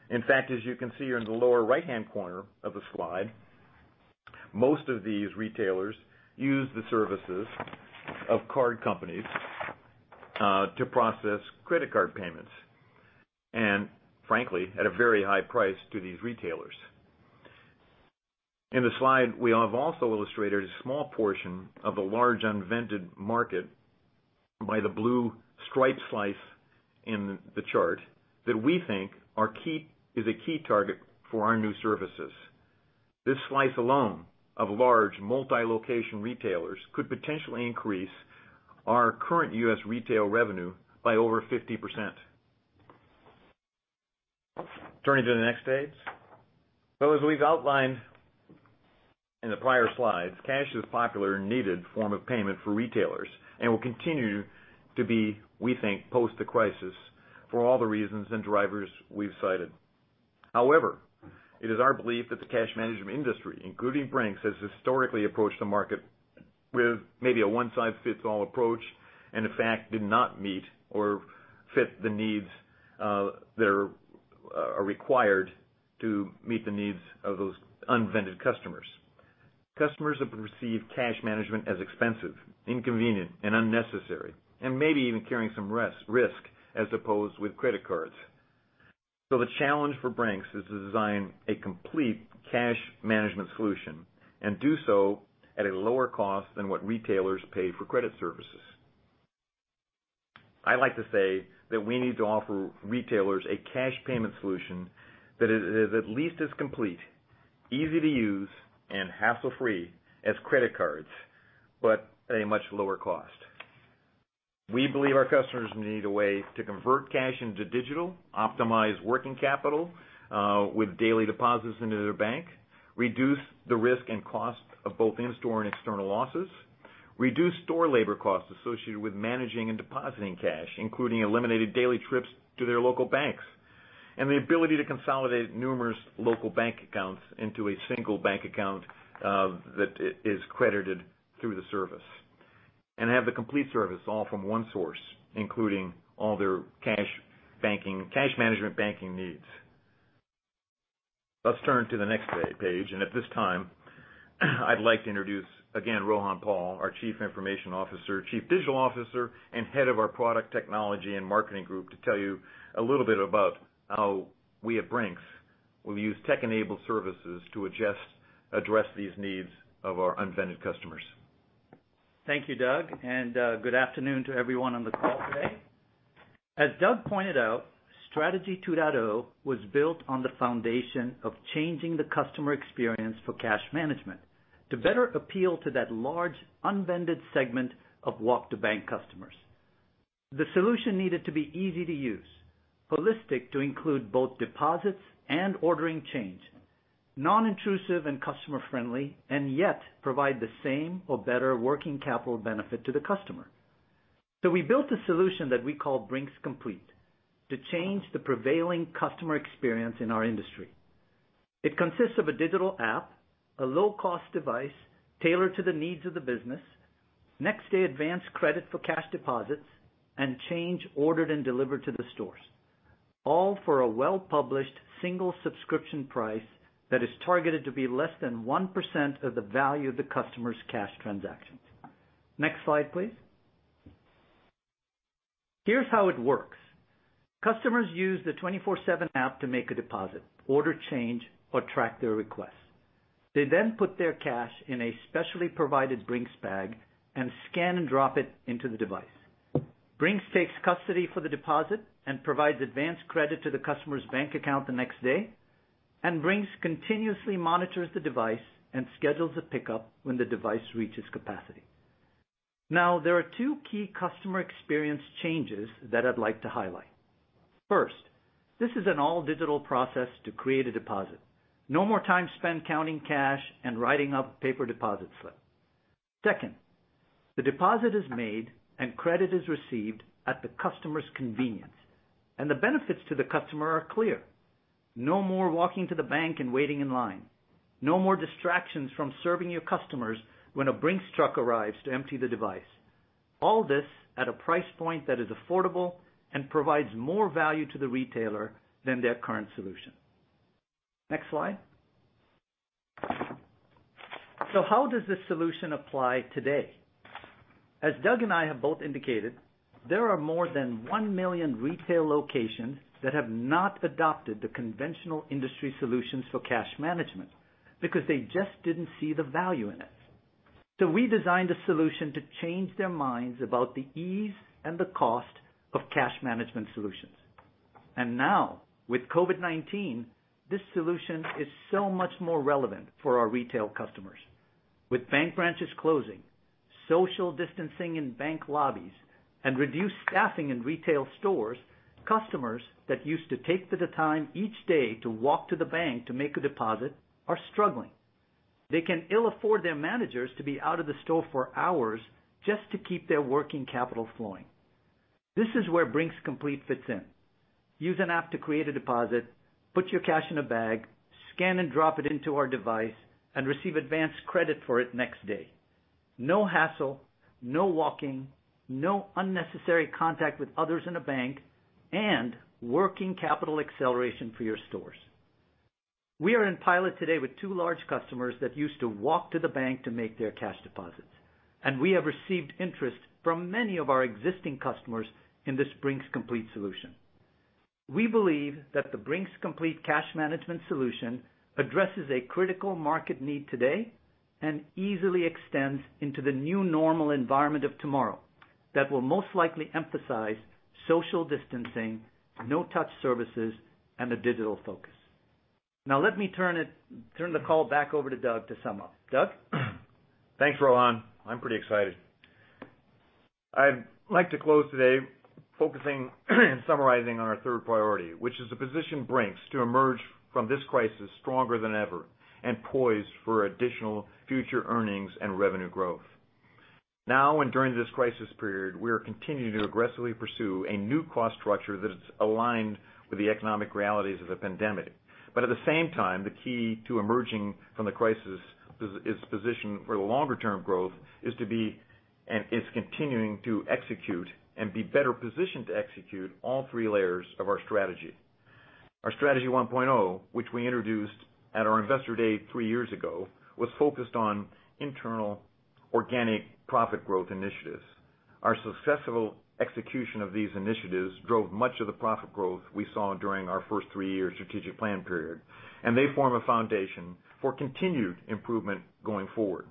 In fact, as you can see in the lower right-hand corner of the slide, most of these retailers use the services of card companies to process credit card payments, and frankly, at a very high price to these retailers. In the slide, we have also illustrated a small portion of the large unvended market by the blue striped slice in the chart that we think is a key target for our new services. This slice alone of large multi-location retailers could potentially increase our current U.S. retail revenue by over 50%. Turning to the next slide. As we've outlined in the prior slides, cash is popular and needed form of payment for retailers and will continue to be, we think, post the crisis for all the reasons and drivers we've cited. However, it is our belief that the cash management industry, including Brink's, has historically approached the market with maybe a one-size-fits-all approach, and in fact, did not meet or fit the needs that are required to meet the needs of those unvended customers. Customers have perceived cash management as expensive, inconvenient, and unnecessary, and maybe even carrying some risk as opposed with credit cards. The challenge for Brink's is to design a complete cash management solution and do so at a lower cost than what retailers pay for credit services. I like to say that we need to offer retailers a cash payment solution that is at least as complete, easy to use, and hassle-free as credit cards, but at a much lower cost. We believe our customers need a way to convert cash into digital, optimize working capital with daily deposits into their bank, reduce the risk and cost of both in-store and external losses, reduce store labor costs associated with managing and depositing cash, including eliminated daily trips to their local banks, and the ability to consolidate numerous local bank accounts into a single bank account that is credited through the service. Have the complete service all from one source, including all their cash management banking needs. Let's turn to the next page, and at this time, I'd like to introduce again, Rohan Pal, our Chief Information Officer, Chief Digital Officer, and Head of our Product Technology and Marketing Group to tell you a little bit about how we at Brink's will use tech-enabled services to address these needs of our unvended customers. Thank you, Doug, and good afternoon to everyone on the call today. As Doug pointed out, Strategy 2.0 was built on the foundation of changing the customer experience for cash management to better appeal to that large unvended segment of walk-to-bank customers. The solution needed to be easy to use, holistic to include both deposits and ordering change, non-intrusive and customer-friendly, and yet provide the same or better working capital benefit to the customer. We built a solution that we call Brink's Complete to change the prevailing customer experience in our industry. It consists of a digital app, a low-cost device tailored to the needs of the business, next-day advance credit for cash deposits, and change ordered and delivered to the stores. All for a well-published single subscription price that is targeted to be less than 1% of the value of the customer's cash transactions. Next slide, please. Here's how it works. Customers use the 24SEVEN app to make a deposit, order change, or track their requests. They put their cash in a specially provided Brink's bag and scan and drop it into the device. Brink's takes custody for the deposit and provides advance credit to the customer's bank account the next day. Brink's continuously monitors the device and schedules a pickup when the device reaches capacity. There are two key customer experience changes that I'd like to highlight. First, this is an all-digital process to create a deposit. No more time spent counting cash and writing up paper deposit slip. Second, the deposit is made, and credit is received at the customer's convenience. The benefits to the customer are clear. No more walking to the bank and waiting in line. No more distractions from serving your customers when a Brink's truck arrives to empty the device. All this at a price point that is affordable and provides more value to the retailer than their current solution. Next slide. How does this solution apply today? As Doug and I have both indicated, there are more than 1 million retail locations that have not adopted the conventional industry solutions for cash management because they just didn't see the value in it. We designed a solution to change their minds about the ease and the cost of cash management solutions. Now with COVID-19, this solution is so much more relevant for our retail customers. With bank branches closing, social distancing in bank lobbies, and reduced staffing in retail stores, customers that used to take the time each day to walk to the bank to make a deposit are struggling. They can ill afford their managers to be out of the store for hours just to keep their working capital flowing. This is where Brink's Complete fits in. Use an app to create a deposit, put your cash in a bag, scan and drop it into our device, and receive advance credit for it next day. No hassle, no walking, no unnecessary contact with others in a bank, and working capital acceleration for your stores. We are in pilot today with two large customers that used to walk to the bank to make their cash deposits, and we have received interest from many of our existing customers in this Brink's Complete solution. We believe that the Brink's Complete cash management solution addresses a critical market need today and easily extends into the new normal environment of tomorrow that will most likely emphasize social distancing, no-touch services, and a digital focus. Let me turn the call back over to Doug to sum up. Doug? Thanks, Rohan. I'm pretty excited. I'd like to close today focusing and summarizing on our third priority, which is to position Brink's to emerge from this crisis stronger than ever and poised for additional future earnings and revenue growth. Now, and during this crisis period, we are continuing to aggressively pursue a new cost structure that is aligned with the economic realities of the pandemic. At the same time, the key to emerging from the crisis is position for the longer-term growth is to be, and is continuing to execute and be better positioned to execute all three layers of our strategy. Our Strategy 1.0, which we introduced at our Investor Day three years ago, was focused on internal organic profit growth initiatives. Our successful execution of these initiatives drove much of the profit growth we saw during our first three year strategic plan period, and they form a foundation for continued improvement going forward.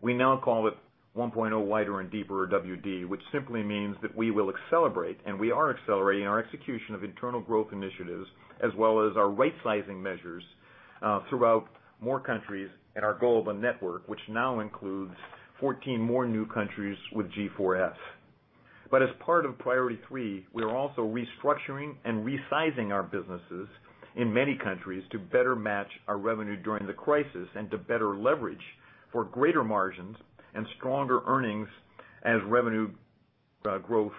We now call it 1.0 Wider and Deeper or WD, which simply means that we will accelerate, and we are accelerating our execution of internal growth initiatives, as well as our right-sizing measures throughout more countries in our global network, which now includes 14 more new countries with G4S. As part of priority three, we are also restructuring and resizing our businesses in many countries to better match our revenue during the crisis and to better leverage for greater margins and stronger earnings as revenue growth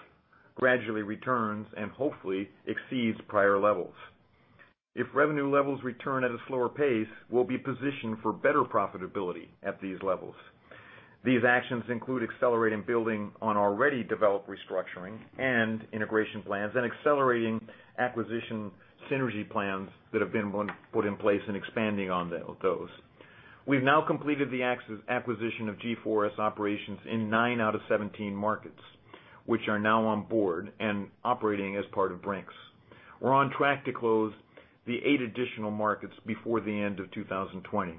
gradually returns and hopefully exceeds prior levels. If revenue levels return at a slower pace, we'll be positioned for better profitability at these levels. These actions include accelerating building on already developed restructuring and integration plans and accelerating acquisition synergy plans that have been put in place and expanding on those. We've now completed the acquisition of G4S operations in nine out of 17 markets, which are now on board and operating as part of Brink's. We're on track to close the eight additional markets before the end of 2020.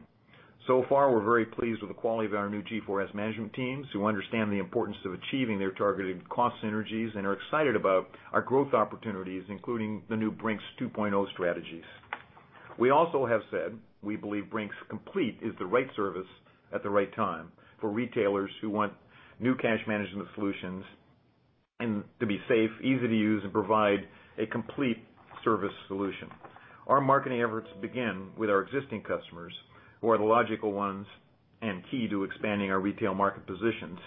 So far, we're very pleased with the quality of our new G4S management teams, who understand the importance of achieving their targeted cost synergies and are excited about our growth opportunities, including the new Brink's 2.0 strategies. We also have said we believe Brink's Complete is the right service at the right time for retailers who want new cash management solutions to be safe, easy to use, and provide a complete service solution. Our marketing efforts begin with our existing customers, who are the logical ones and key to expanding our retail market positions.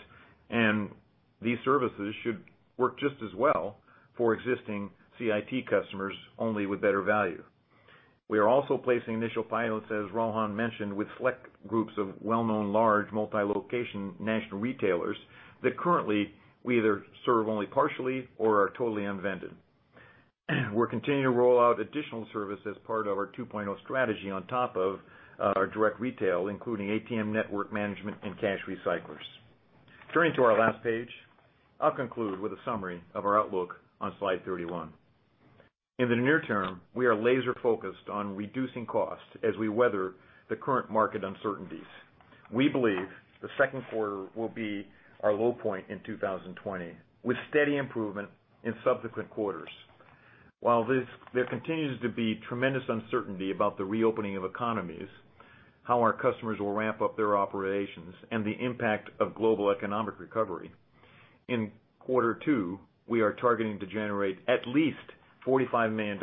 These services should work just as well for existing CIT customers, only with better value. We are also placing initial pilots, as Rohan mentioned, with select groups of well-known large multi-location national retailers that currently we either serve only partially or are totally unvended. We're continuing to roll out additional services as part of our 2.0 Strategy on top of our direct retail, including ATM network management and cash recyclers. Turning to our last page, I'll conclude with a summary of our outlook on slide 31. In the near term, we are laser-focused on reducing costs as we weather the current market uncertainties. We believe the second quarter will be our low point in 2020, with steady improvement in subsequent quarters. While there continues to be tremendous uncertainty about the reopening of economies, how our customers will ramp up their operations, and the impact of global economic recovery, in quarter two, we are targeting to generate at least $45 million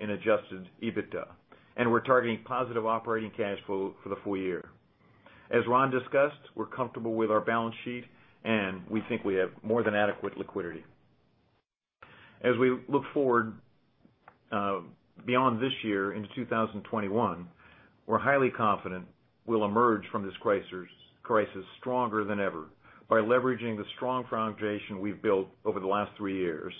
in adjusted EBITDA, and we're targeting positive operating cash flow for the full-year. As Ron discussed, we're comfortable with our balance sheet, and we think we have more than adequate liquidity. As we look forward beyond this year into 2021, we're highly confident we'll emerge from this crisis stronger than ever by leveraging the strong foundation we've built over the last three years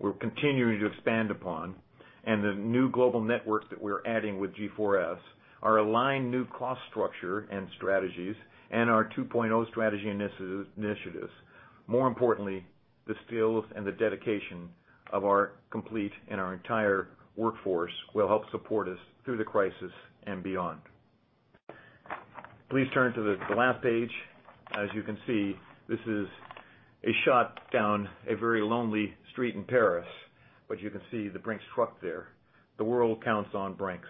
we're continuing to expand upon, and the new global networks that we're adding with G4S, our aligned new cost structure and strategies, and our 2.0 Strategy initiatives. More importantly, the skills and the dedication of our complete and our entire workforce will help support us through the crisis and beyond. Please turn to the last page. As you can see, this is a shot down a very lonely street in Paris, but you can see the Brink's truck there. The world counts on Brink's.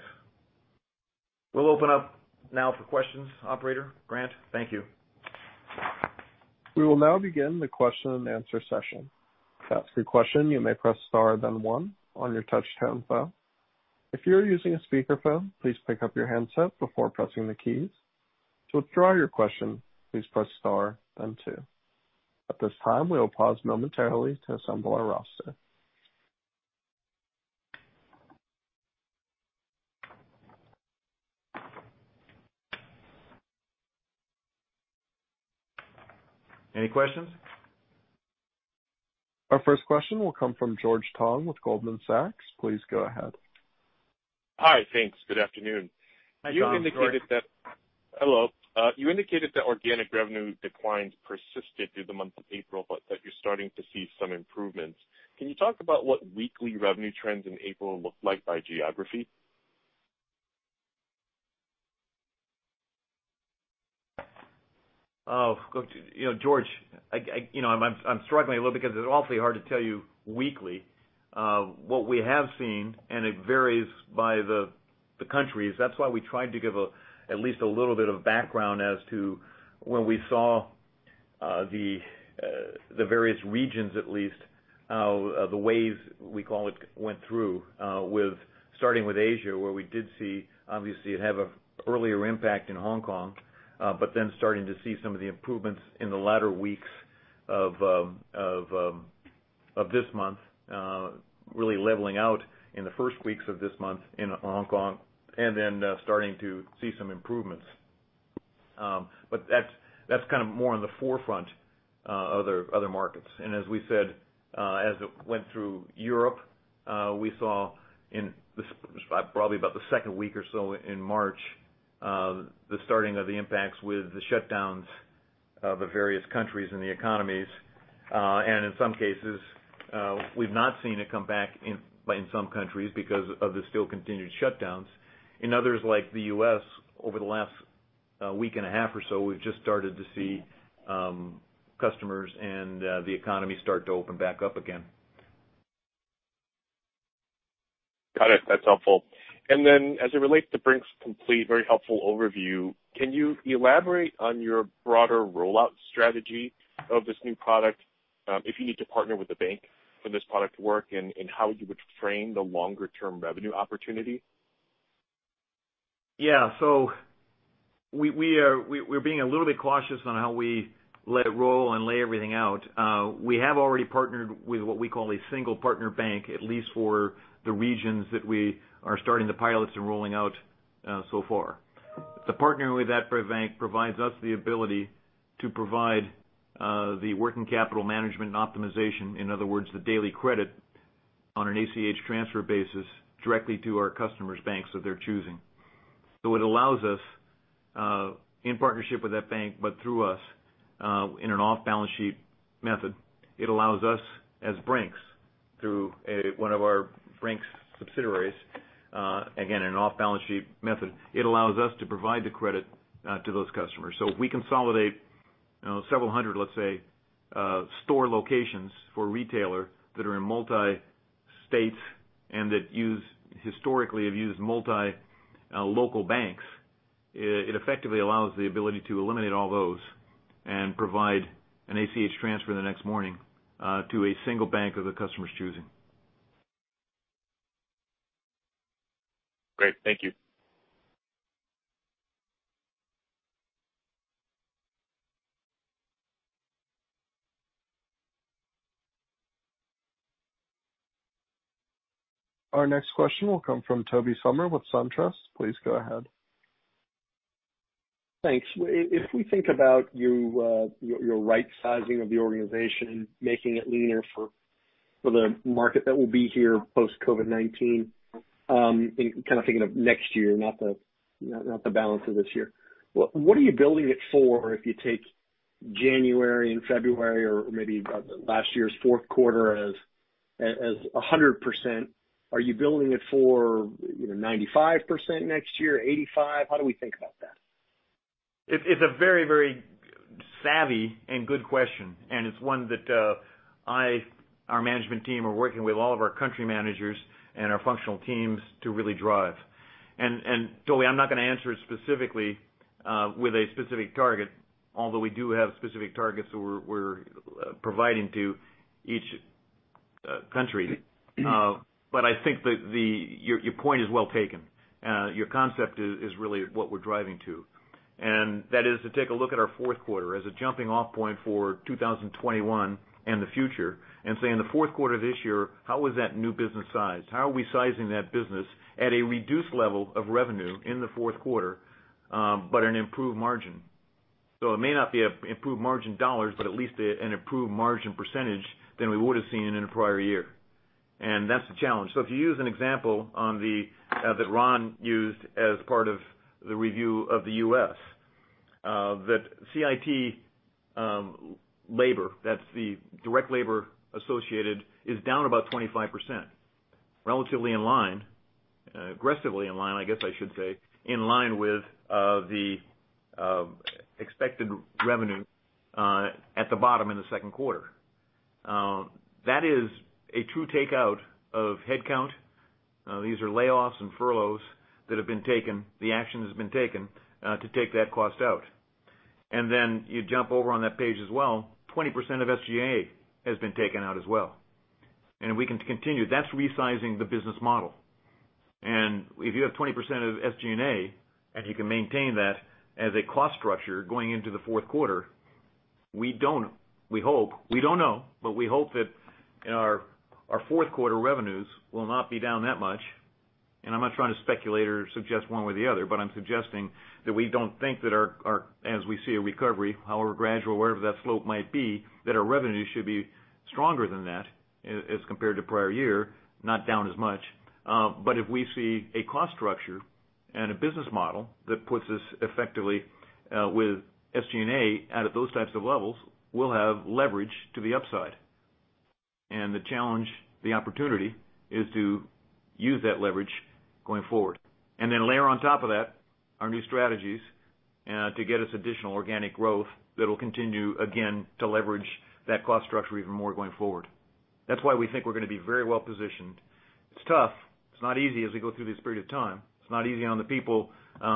We'll open up now for questions, operator. Grant, thank you. We will now begin the question-and-answer session. To ask a question, you may press star then one on your touch-tone phone. If you are using a speakerphone, please pick up your handset before pressing the keys. To withdraw your question, please press star then two. At this time, we will pause momentarily to assemble our roster. Any questions? Our first question will come from George Tong with Goldman Sachs. Please go ahead. Hi. Thanks. Good afternoon. Hi, George. Hello. You indicated that organic revenue declines persisted through the month of April, but that you're starting to see some improvements. Can you talk about what weekly revenue trends in April looked like by geography? George, I'm struggling a little because it's awfully hard to tell you weekly. What we have seen, and it varies by the countries, that's why we tried to give at least a little bit of background as to when we saw the various regions at least, the wave, we call it, went through, starting with Asia, where we did see, obviously, it have a earlier impact in Hong Kong but then starting to see some of the improvements in the latter weeks of this month really leveling out in the first weeks of this month in Hong Kong, and then starting to see some improvements. That's more on the forefront other markets. As we said, as it went through Europe, we saw in probably about the second week or so in March, the starting of the impacts with the shutdowns of the various countries and the economies. In some cases, we've not seen it come back in some countries because of the still continued shutdowns. In others, like the U.S., over the last week and a half or so, we've just started to see customers and the economy start to open back up again. Got it. That's helpful. As it relates to Brink's Complete, very helpful overview. Can you elaborate on your broader rollout strategy of this new product? If you need to partner with a bank for this product to work, and how you would frame the longer-term revenue opportunity? Yeah. We're being a little bit cautious on how we let it roll and lay everything out. We have already partnered with what we call a single partner bank, at least for the regions that we are starting the pilots and rolling out so far. The partnering with that bank provides us the ability to provide the working capital management and optimization, in other words, the daily credit on an ACH transfer basis directly to our customers' banks of their choosing. It allows us, in partnership with that bank, but through us, in an off-balance sheet method. It allows us as Brink's, through one of our Brink's subsidiaries, again, an off-balance sheet method, it allows us to provide the credit to those customers. If we consolidate several hundred, let's say, store locations for a retailer that are in multi-states and that historically have used multi local banks, it effectively allows the ability to eliminate all those and provide an ACH transfer the next morning to a single bank of the customer's choosing. Great. Thank you. Our next question will come from Tobey Sommer with SunTrust. Please go ahead. Thanks. If we think about your right-sizing of the organization, making it leaner for the market that will be here post COVID-19, kind of thinking of next year, not the balance of this year. What are you building it for if you take January and February or maybe last year's fourth quarter as 100%? Are you building it for 95% next year? 85%? How do we think about that? It's a very, very savvy and good question, it's one that our management team are working with all of our country managers and our functional teams to really drive. Tobey, I'm not going to answer it specifically with a specific target, although we do have specific targets that we're providing to each country. I think that your point is well taken. Your concept is really what we're driving to. That is to take a look at our fourth quarter as a jumping off point for 2021 and the future and say, in the fourth quarter of this year, how was that new business sized? How are we sizing that business at a reduced level of revenue in the fourth quarter, but an improved margin? It may not be improved margin dollars, but at least an improved margin percentage than we would have seen in a prior year. That's the challenge. If you use an example that Ron used as part of the review of the U.S., that CIT labor, that's the direct labor associated, is down about 25%, relatively in line, aggressively in line, I guess I should say, in line with the expected revenue at the bottom in the second quarter. That is a true takeout of headcount. These are layoffs and furloughs that have been taken, the action has been taken to take that cost out. Then you jump over on that page as well, 20% of SG&A has been taken out as well. We can continue. That's resizing the business model. If you have 20% of SG&A, and you can maintain that as a cost structure going into the fourth quarter, we don't know, but we hope that our fourth quarter revenues will not be down that much. I'm not trying to speculate or suggest one way or the other, but I'm suggesting that we don't think that as we see a recovery, however gradual, wherever that slope might be, that our revenues should be stronger than that as compared to prior year, not down as much. If we see a cost structure and a business model that puts us effectively with SG&A out at those types of levels, we'll have leverage to the upside. The challenge, the opportunity, is to use that leverage going forward. Layer on top of that our new strategies to get us additional organic growth that'll continue, again, to leverage that cost structure even more going forward. That's why we think we're going to be very well positioned. It's tough. It's not easy as we go through this period of time. It's not easy on the people that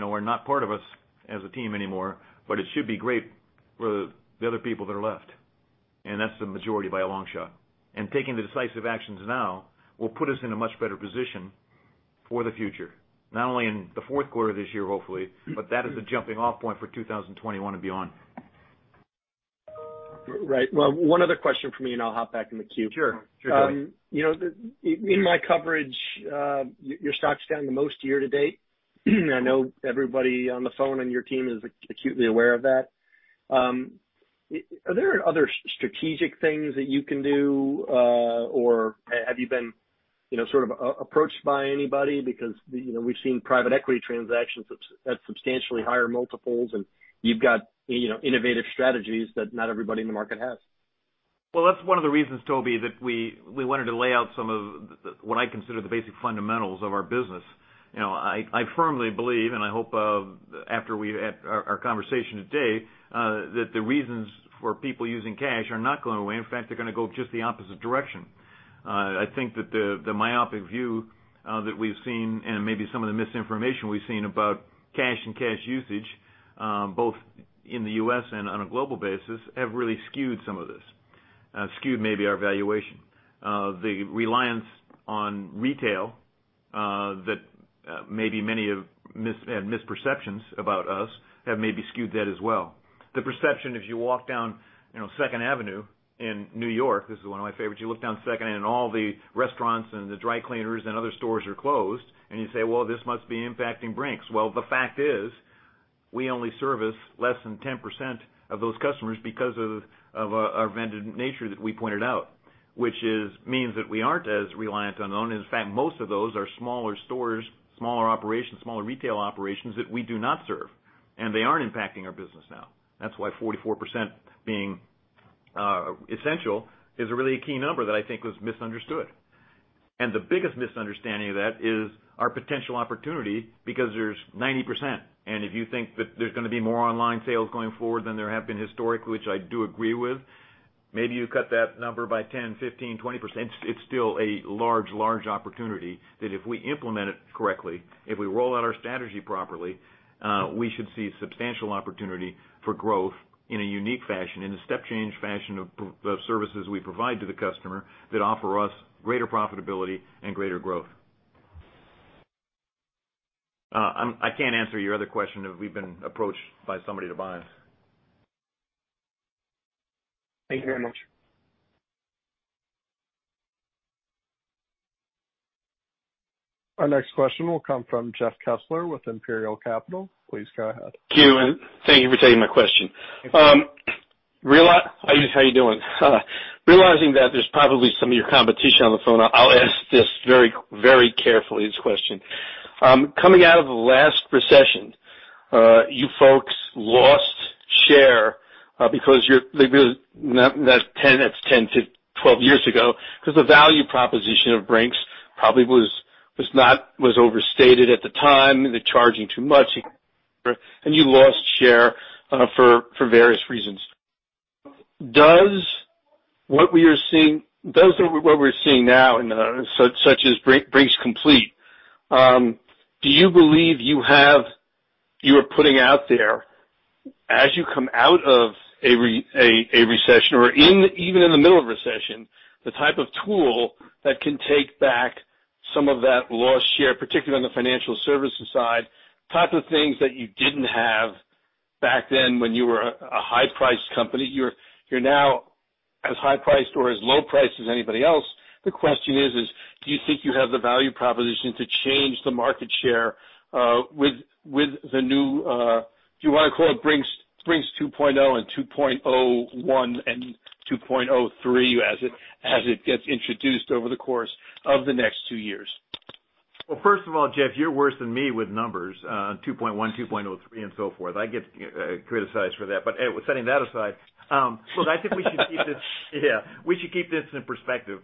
are not part of us as a team anymore, but it should be great for the other people that are left. That's the majority by a long shot. Taking the decisive actions now will put us in a much better position for the future, not only in the fourth quarter this year, hopefully, but that is the jumping off point for 2021 and beyond. Right. Well, one other question from me and I'll hop back in the queue. Sure. Go ahead. In my coverage, your stock's down the most year-to-date. I know everybody on the phone on your team is acutely aware of that. Are there other strategic things that you can do or have you been sort of approached by anybody? Because we've seen private equity transactions at substantially higher multiples, and you've got innovative strategies that not everybody in the market has. Well, that's one of the reasons, Tobey, that we wanted to lay out some of what I consider the basic fundamentals of our business. I firmly believe, and I hope after our conversation today, that the reasons for people using cash are not going away. In fact, they're going to go just the opposite direction. I think that the myopic view, that we've seen, and maybe some of the misinformation we've seen about cash and cash usage, both in the U.S. and on a global basis, have really skewed some of this, skewed maybe our valuation. The reliance on retail that maybe many have had misperceptions about us have maybe skewed that as well. The perception, if you walk down Second Avenue in New York, this is one of my favorites, you look down Second, and all the restaurants and the dry cleaners and other stores are closed, and you say, "Well, this must be impacting Brink's." Well, the fact is, we only service less than 10% of those customers because of our segmented nature that we pointed out, which means that we aren't as reliant on them. In fact, most of those are smaller stores, smaller operations, smaller retail operations that we do not serve, and they aren't impacting our business now. That's why 44% being essential is a really key number that I think was misunderstood. The biggest misunderstanding of that is our potential opportunity, because there's 90%. If you think that there's going to be more online sales going forward than there have been historically, which I do agree with, maybe you cut that number by 10%, 15%, 20%. It's still a large opportunity that if we implement it correctly, if we roll out our strategy properly, we should see substantial opportunity for growth in a unique fashion, in a step change fashion of services we provide to the customer that offer us greater profitability and greater growth. I can't answer your other question, if we've been approached by somebody to buy us. Thank you very much. Our next question will come from Jeff Kessler with Imperial Capital. Please go ahead. Thank you and thank you for taking my question. Hi, guys. How you doing? Realizing that there's probably some of your competition on the phone, I'll ask this very carefully, this question. Coming out of the last recession, you folks lost share, that's 10-12 years ago, because the value proposition of Brink's probably was overstated at the time, the charging too much, and you lost share for various reasons. Does what we're seeing now, such as Brink's Complete, do you believe you are putting out there, as you come out of a recession or even in the middle of a recession, the type of tool that can take back some of that lost share, particularly on the financial services side, type of things that you didn't have back then when you were a high-priced company? You're now as high-priced or as low priced as anybody else. The question is, do you think you have the value proposition to change the market share, with the new, do you want to call it Brink's 2.0 and 2.01 and 2.03, as it gets introduced over the course of the next two years? Well, first of all, Jeff, you're worse than me with numbers, 2.1, 2.03, and so forth. I get criticized for that. Setting that aside, we should keep this in perspective.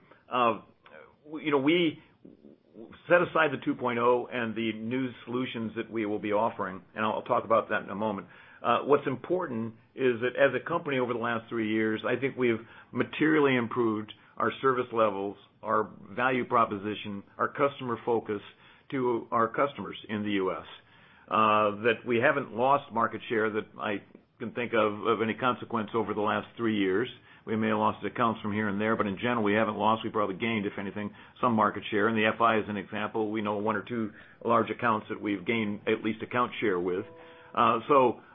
Set aside the 2.0 and the new solutions that we will be offering, and I'll talk about that in a moment. What's important is that as a company over the last three years, I think we've materially improved our service levels, our value proposition, our customer focus to our customers in the U.S. That we haven't lost market share that I can think of any consequence over the last three years. We may have lost accounts from here and there, but in general, we haven't lost. We probably gained, if anything, some market share. The FI is an example. We know one or two large accounts that we've gained at least account share with.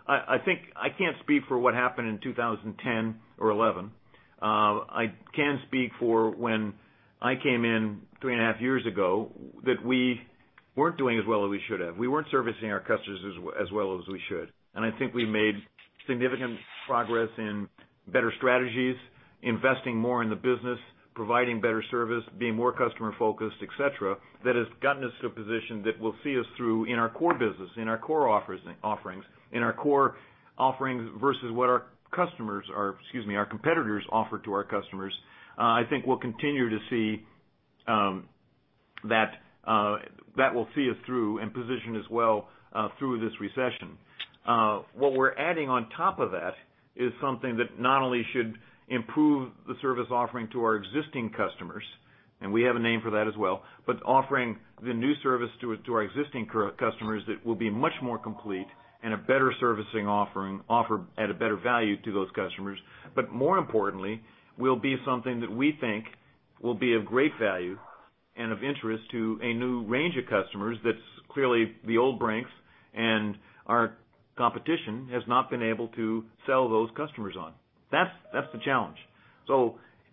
I can't speak for what happened in 2010 or 2011. I can speak for when I came in 3.5 years ago, that we weren't doing as well as we should have. We weren't servicing our customers as well as we should. I think we made significant progress in better strategies, investing more in the business, providing better service, being more customer-focused, et cetera, that has gotten us to a position that will see us through in our core business, in our core offerings versus what our competitors offer to our customers. I think we'll continue to see that that will see us through and position us well through this recession. What we're adding on top of that is something that not only should improve the service offering to our existing customers, and we have a name for that as well, but offering the new service to our existing customers that will be much more complete and a better servicing offer at a better value to those customers, but more importantly, will be something that we think will be of great value and of interest to a new range of customers that's clearly the old Brink's and our competition has not been able to sell those customers on. That's the challenge.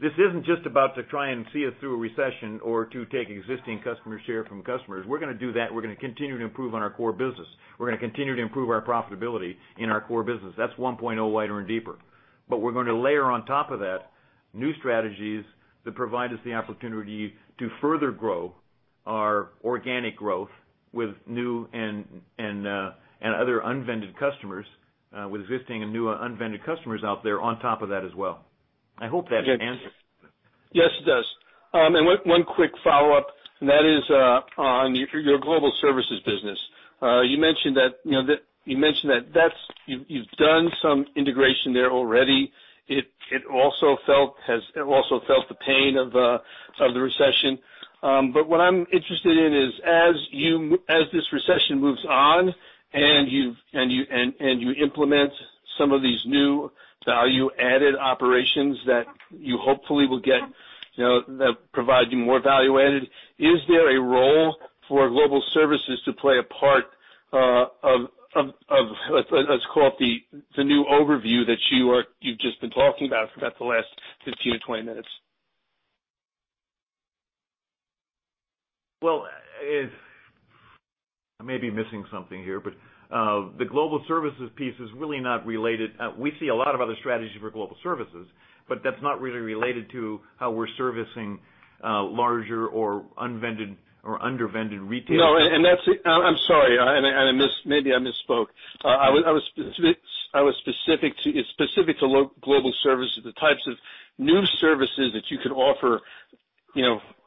This isn't just about to try and see us through a recession or to take existing customer share from customers. We're going to do that, we're going to continue to improve on our core business. We're going to continue to improve our profitability in our core business. That's 1.0 Wider and Deeper. We're going to layer on top of that new strategies that provide us the opportunity to further grow our organic growth with new and other unvended customers with existing and new unvended customers out there on top of that as well. I hope that answers. Yes, it does. One quick follow-up and that is on your global services business. You mentioned that you've done some integration there already. It also felt the pain of the recession. What I'm interested in is as this recession moves on and you implement some of these new value-added operations that you hopefully will get, that provide you more value added, is there a role for global services to play a part of, let's call it the new overview that you've just been talking about for the last 15-20 minutes? Well, I may be missing something here, but the global services piece is really not related. We see a lot of other strategies for global services, but that's not really related to how we're servicing larger or unvended or under-vended retail. No, that's it. I'm sorry. Maybe I misspoke. I was specific to global services, the types of new services that you could offer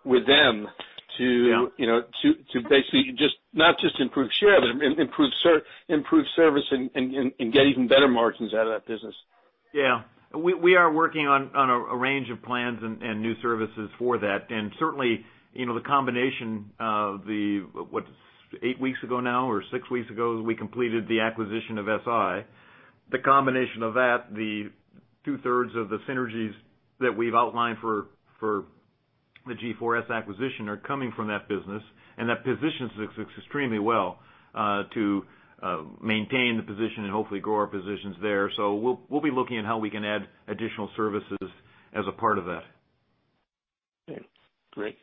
with them to basically not just improve share but improve service and get even better margins out of that business. Yeah. We are working on a range of plans and new services for that. Certainly, the combination of the, what, eight weeks ago now or six weeks ago, we completed the acquisition of FI. The combination of that, the 2/3 of the synergies that we've outlined for the G4S acquisition are coming from that business, and that positions us extremely well to maintain the position and hopefully grow our positions there. We'll be looking at how we can add additional services as a part of that. Okay, great.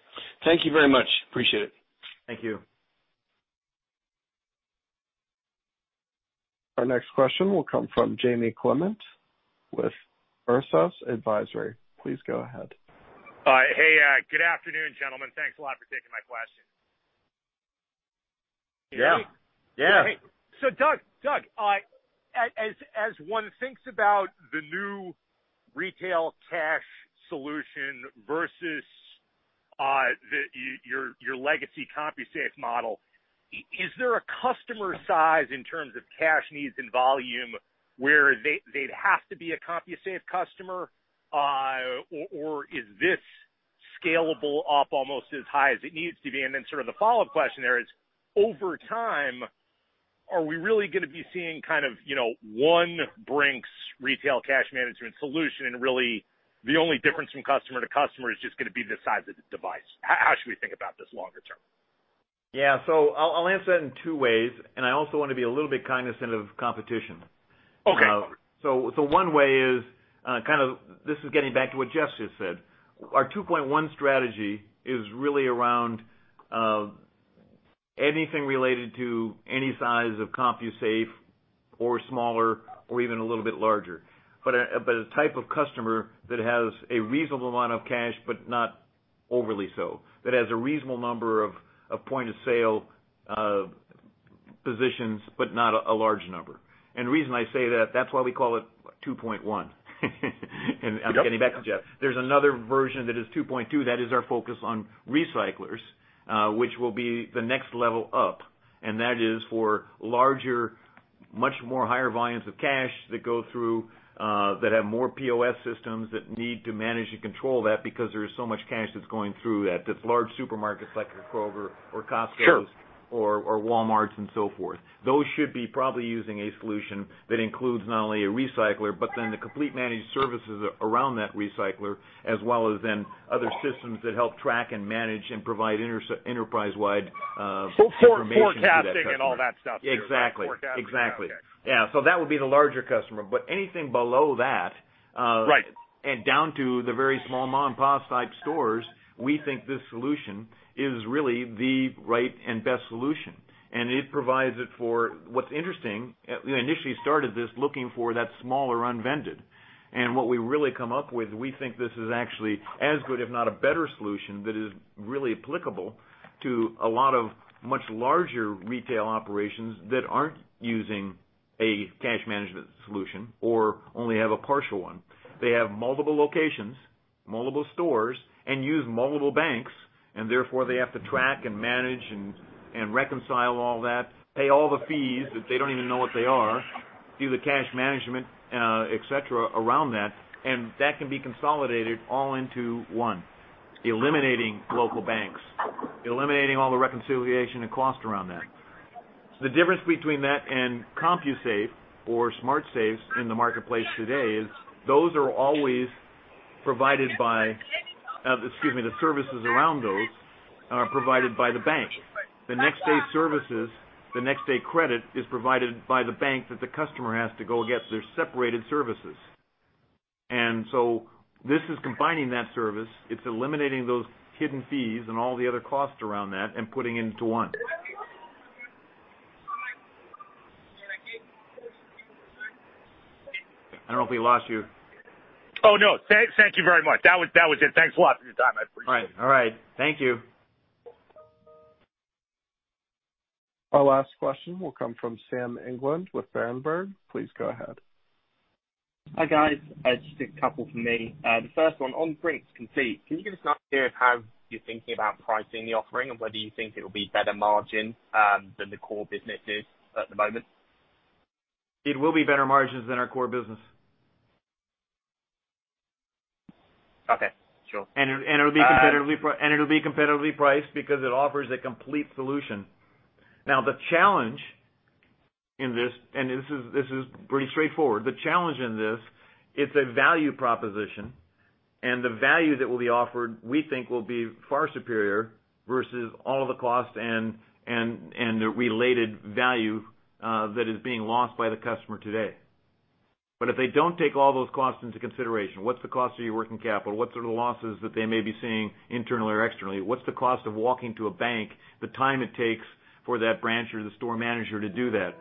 Thank you very much. Appreciate it. Thank you. Our next question will come from Jamie Clement with RSS Advisory. Please go ahead. Hey, good afternoon, gentlemen. Thanks a lot for taking my questions. Yeah. Doug, as one thinks about the new retail cash solution versus your legacy CompuSafe model, is there a customer size in terms of cash needs and volume where they'd have to be a CompuSafe customer? Or is this scalable up almost as high as it needs to be? The follow-up question there is, over time, are we really going to be seeing one Brink's retail cash management solution, and really the only difference from customer to customer is just going to be the size of the device. How should we think about this longer term? Yeah. I'll answer that in two ways and I also want to be a little bit cognizant of competition. Okay. One way is this is getting back to what Jeff just said. Our 2.1 Strategy is really around anything related to any size of CompuSafe or smaller or even a little bit larger. A type of customer that has a reasonable amount of cash, but not overly so. That has a reasonable number of point-of-sale positions, but not a large number. The reason I say that's why we call it 2.1. I'm getting back to Jeff. There's another version that is 2.2, that is our focus on recyclers, which will be the next level up. That is for larger, much more higher volumes of cash that go through, that have more POS systems that need to manage and control that because there is so much cash that's going through at this large supermarket like a Kroger or Costco's or Walmart and so forth. Those should be probably using a solution that includes not only a recycler, but then the complete managed services around that recycler, as well as then other systems that help track and manage and provide enterprise-wide information to that customer. Forecasting and all that stuff there. Exactly. Forecasting. Okay. Yeah. That would be the larger customer. Anything below that. Right. Down to the very small mom-and-pop type stores, we think this solution is really the right and best solution. What's interesting, we initially started this looking for that smaller unvended. What we really come up with, we think this is actually as good, if not a better solution that is really applicable to a lot of much larger retail operations that aren't using a cash management solution or only have a partial one. They have multiple locations, multiple stores, and use multiple banks, therefore they have to track and manage and reconcile all that, pay all the fees that they don't even know what they are, do the cash management, et cetera, around that can be consolidated all into one. Eliminating local banks, eliminating all the reconciliation and cost around that. The difference between that and CompuSafe or SmartSafe in the marketplace today is those are always provided by, excuse me. The services around those are provided by the bank. The next day services, the next day credit is provided by the bank that the customer has to go against. They're separated services. This is combining that service. It's eliminating those hidden fees and all the other costs around that and putting it into one. I don't know if we lost you. Oh, no. Thank you very much. That was it. Thanks a lot for your time. I appreciate it. All right. Thank you. Our last question will come from Sam England with Berenberg. Please go ahead. Hi, guys. Just a couple from me. The first one, on Brink's Complete, can you give us an idea of how you're thinking about pricing the offering and whether you think it'll be better margin than the core business is at the moment? It will be better margins than our core business. Okay. Sure. It'll be competitively priced because it offers a complete solution. The challenge in this and this is pretty straightforward, it's a value proposition. The value that will be offered, we think, will be far superior versus all of the cost and the related value that is being lost by the customer today. If they don't take all those costs into consideration, what's the cost of your working capital, what sort of losses that they may be seeing internally or externally, what's the cost of walking to a bank, the time it takes for that branch or the store manager to do that.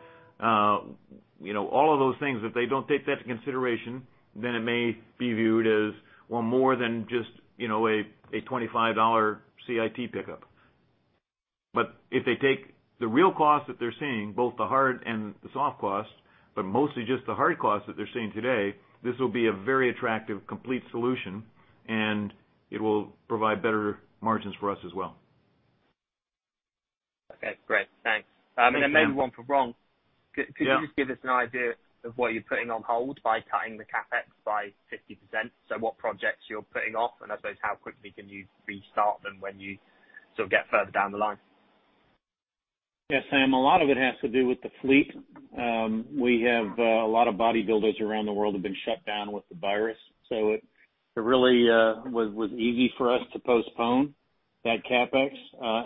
All of those things, if they don't take that into consideration, it may be viewed as, well, more than just a $25 CIT pickup. If they take the real cost that they're seeing, both the hard and the soft cost, but mostly just the hard cost that they're seeing today, this will be a very attractive, complete solution, and it will provide better margins for us as well. Okay, great. Thanks. Thanks, Sam. Then maybe one for Ron. Could you just give us an idea of what you're putting on hold by cutting the CapEx by 50%? What projects you're putting off, and I suppose how quickly can you restart them when you sort of get further down the line? Sam. A lot of it has to do with the fleet. We have a lot of bodybuilders around the world have been shut down with the virus. It really was easy for us to postpone that CapEx.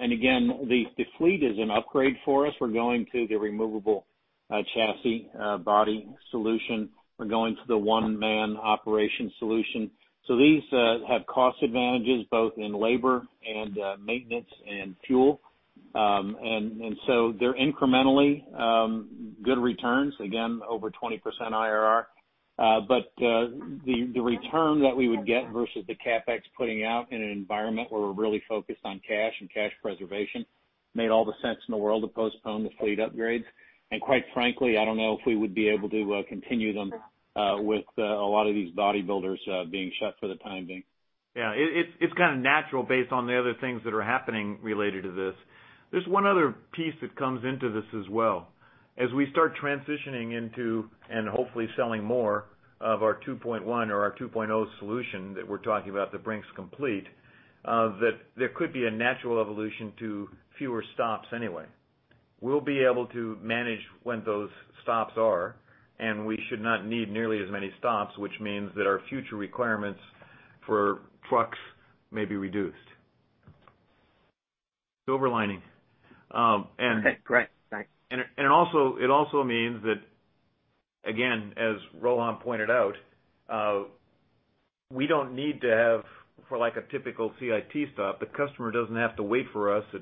Again, the fleet is an upgrade for us. We're going to the removable chassis body solution. We're going to the one-man operation solution. These have cost advantages both in labor and maintenance and fuel. They're incrementally good returns, again, over 20% IRR. The return that we would get versus the CapEx putting out in an environment where we're really focused on cash and cash preservation made all the sense in the world to postpone the fleet upgrades. Quite frankly, I don't know if we would be able to continue them with a lot of these bodybuilders being shut for the time being. Yeah. It's kind of natural based on the other things that are happening related to this. There's one other piece that comes into this as well. As we start transitioning into, and hopefully selling more of our 2.1 or our 2.0 solution that we're talking about, the Brink's Complete, there could be a natural evolution to fewer stops anyway. We'll be able to manage when those stops are, and we should not need nearly as many stops, which means that our future requirements for trucks may be reduced. Silver lining. Okay, great. Thanks. It also means that, again, as Rohan pointed out, we don't need to have, for like a typical CIT stop, the customer doesn't have to wait for us at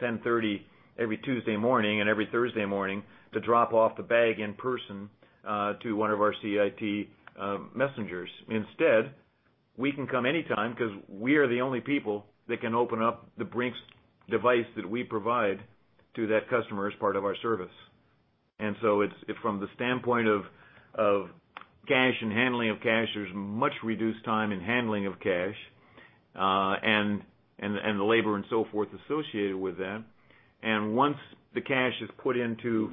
10:30 every Tuesday morning and every Thursday morning to drop off the bag in person, to one of our CIT messengers. Instead, we can come anytime because we are the only people that can open up the Brink's device that we provide to that customer as part of our service. From the standpoint of cash and handling of cash, there's much reduced time in handling of cash, and the labor and so forth associated with that. Once the cash is put into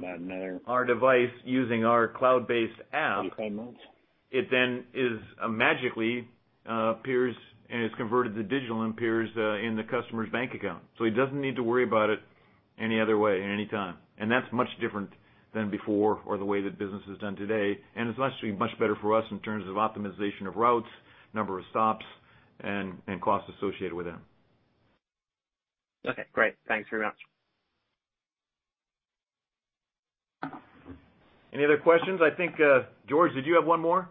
our device using our cloud-based app, it then magically appears and is converted to digital and appears in the customer's bank account. He doesn't need to worry about it any other way, any time. That's much different than before or the way that business is done today, and it's actually much better for us in terms of optimization of routes, number of stops, and costs associated with them. Okay, great. Thanks very much. Any other questions? I think, George, did you have one more?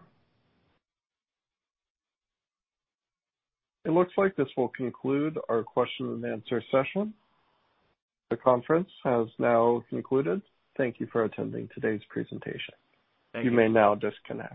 It looks like this will conclude our question-and-answer session. The conference has now concluded. Thank you for attending today's presentation. Thank you. You may now disconnect.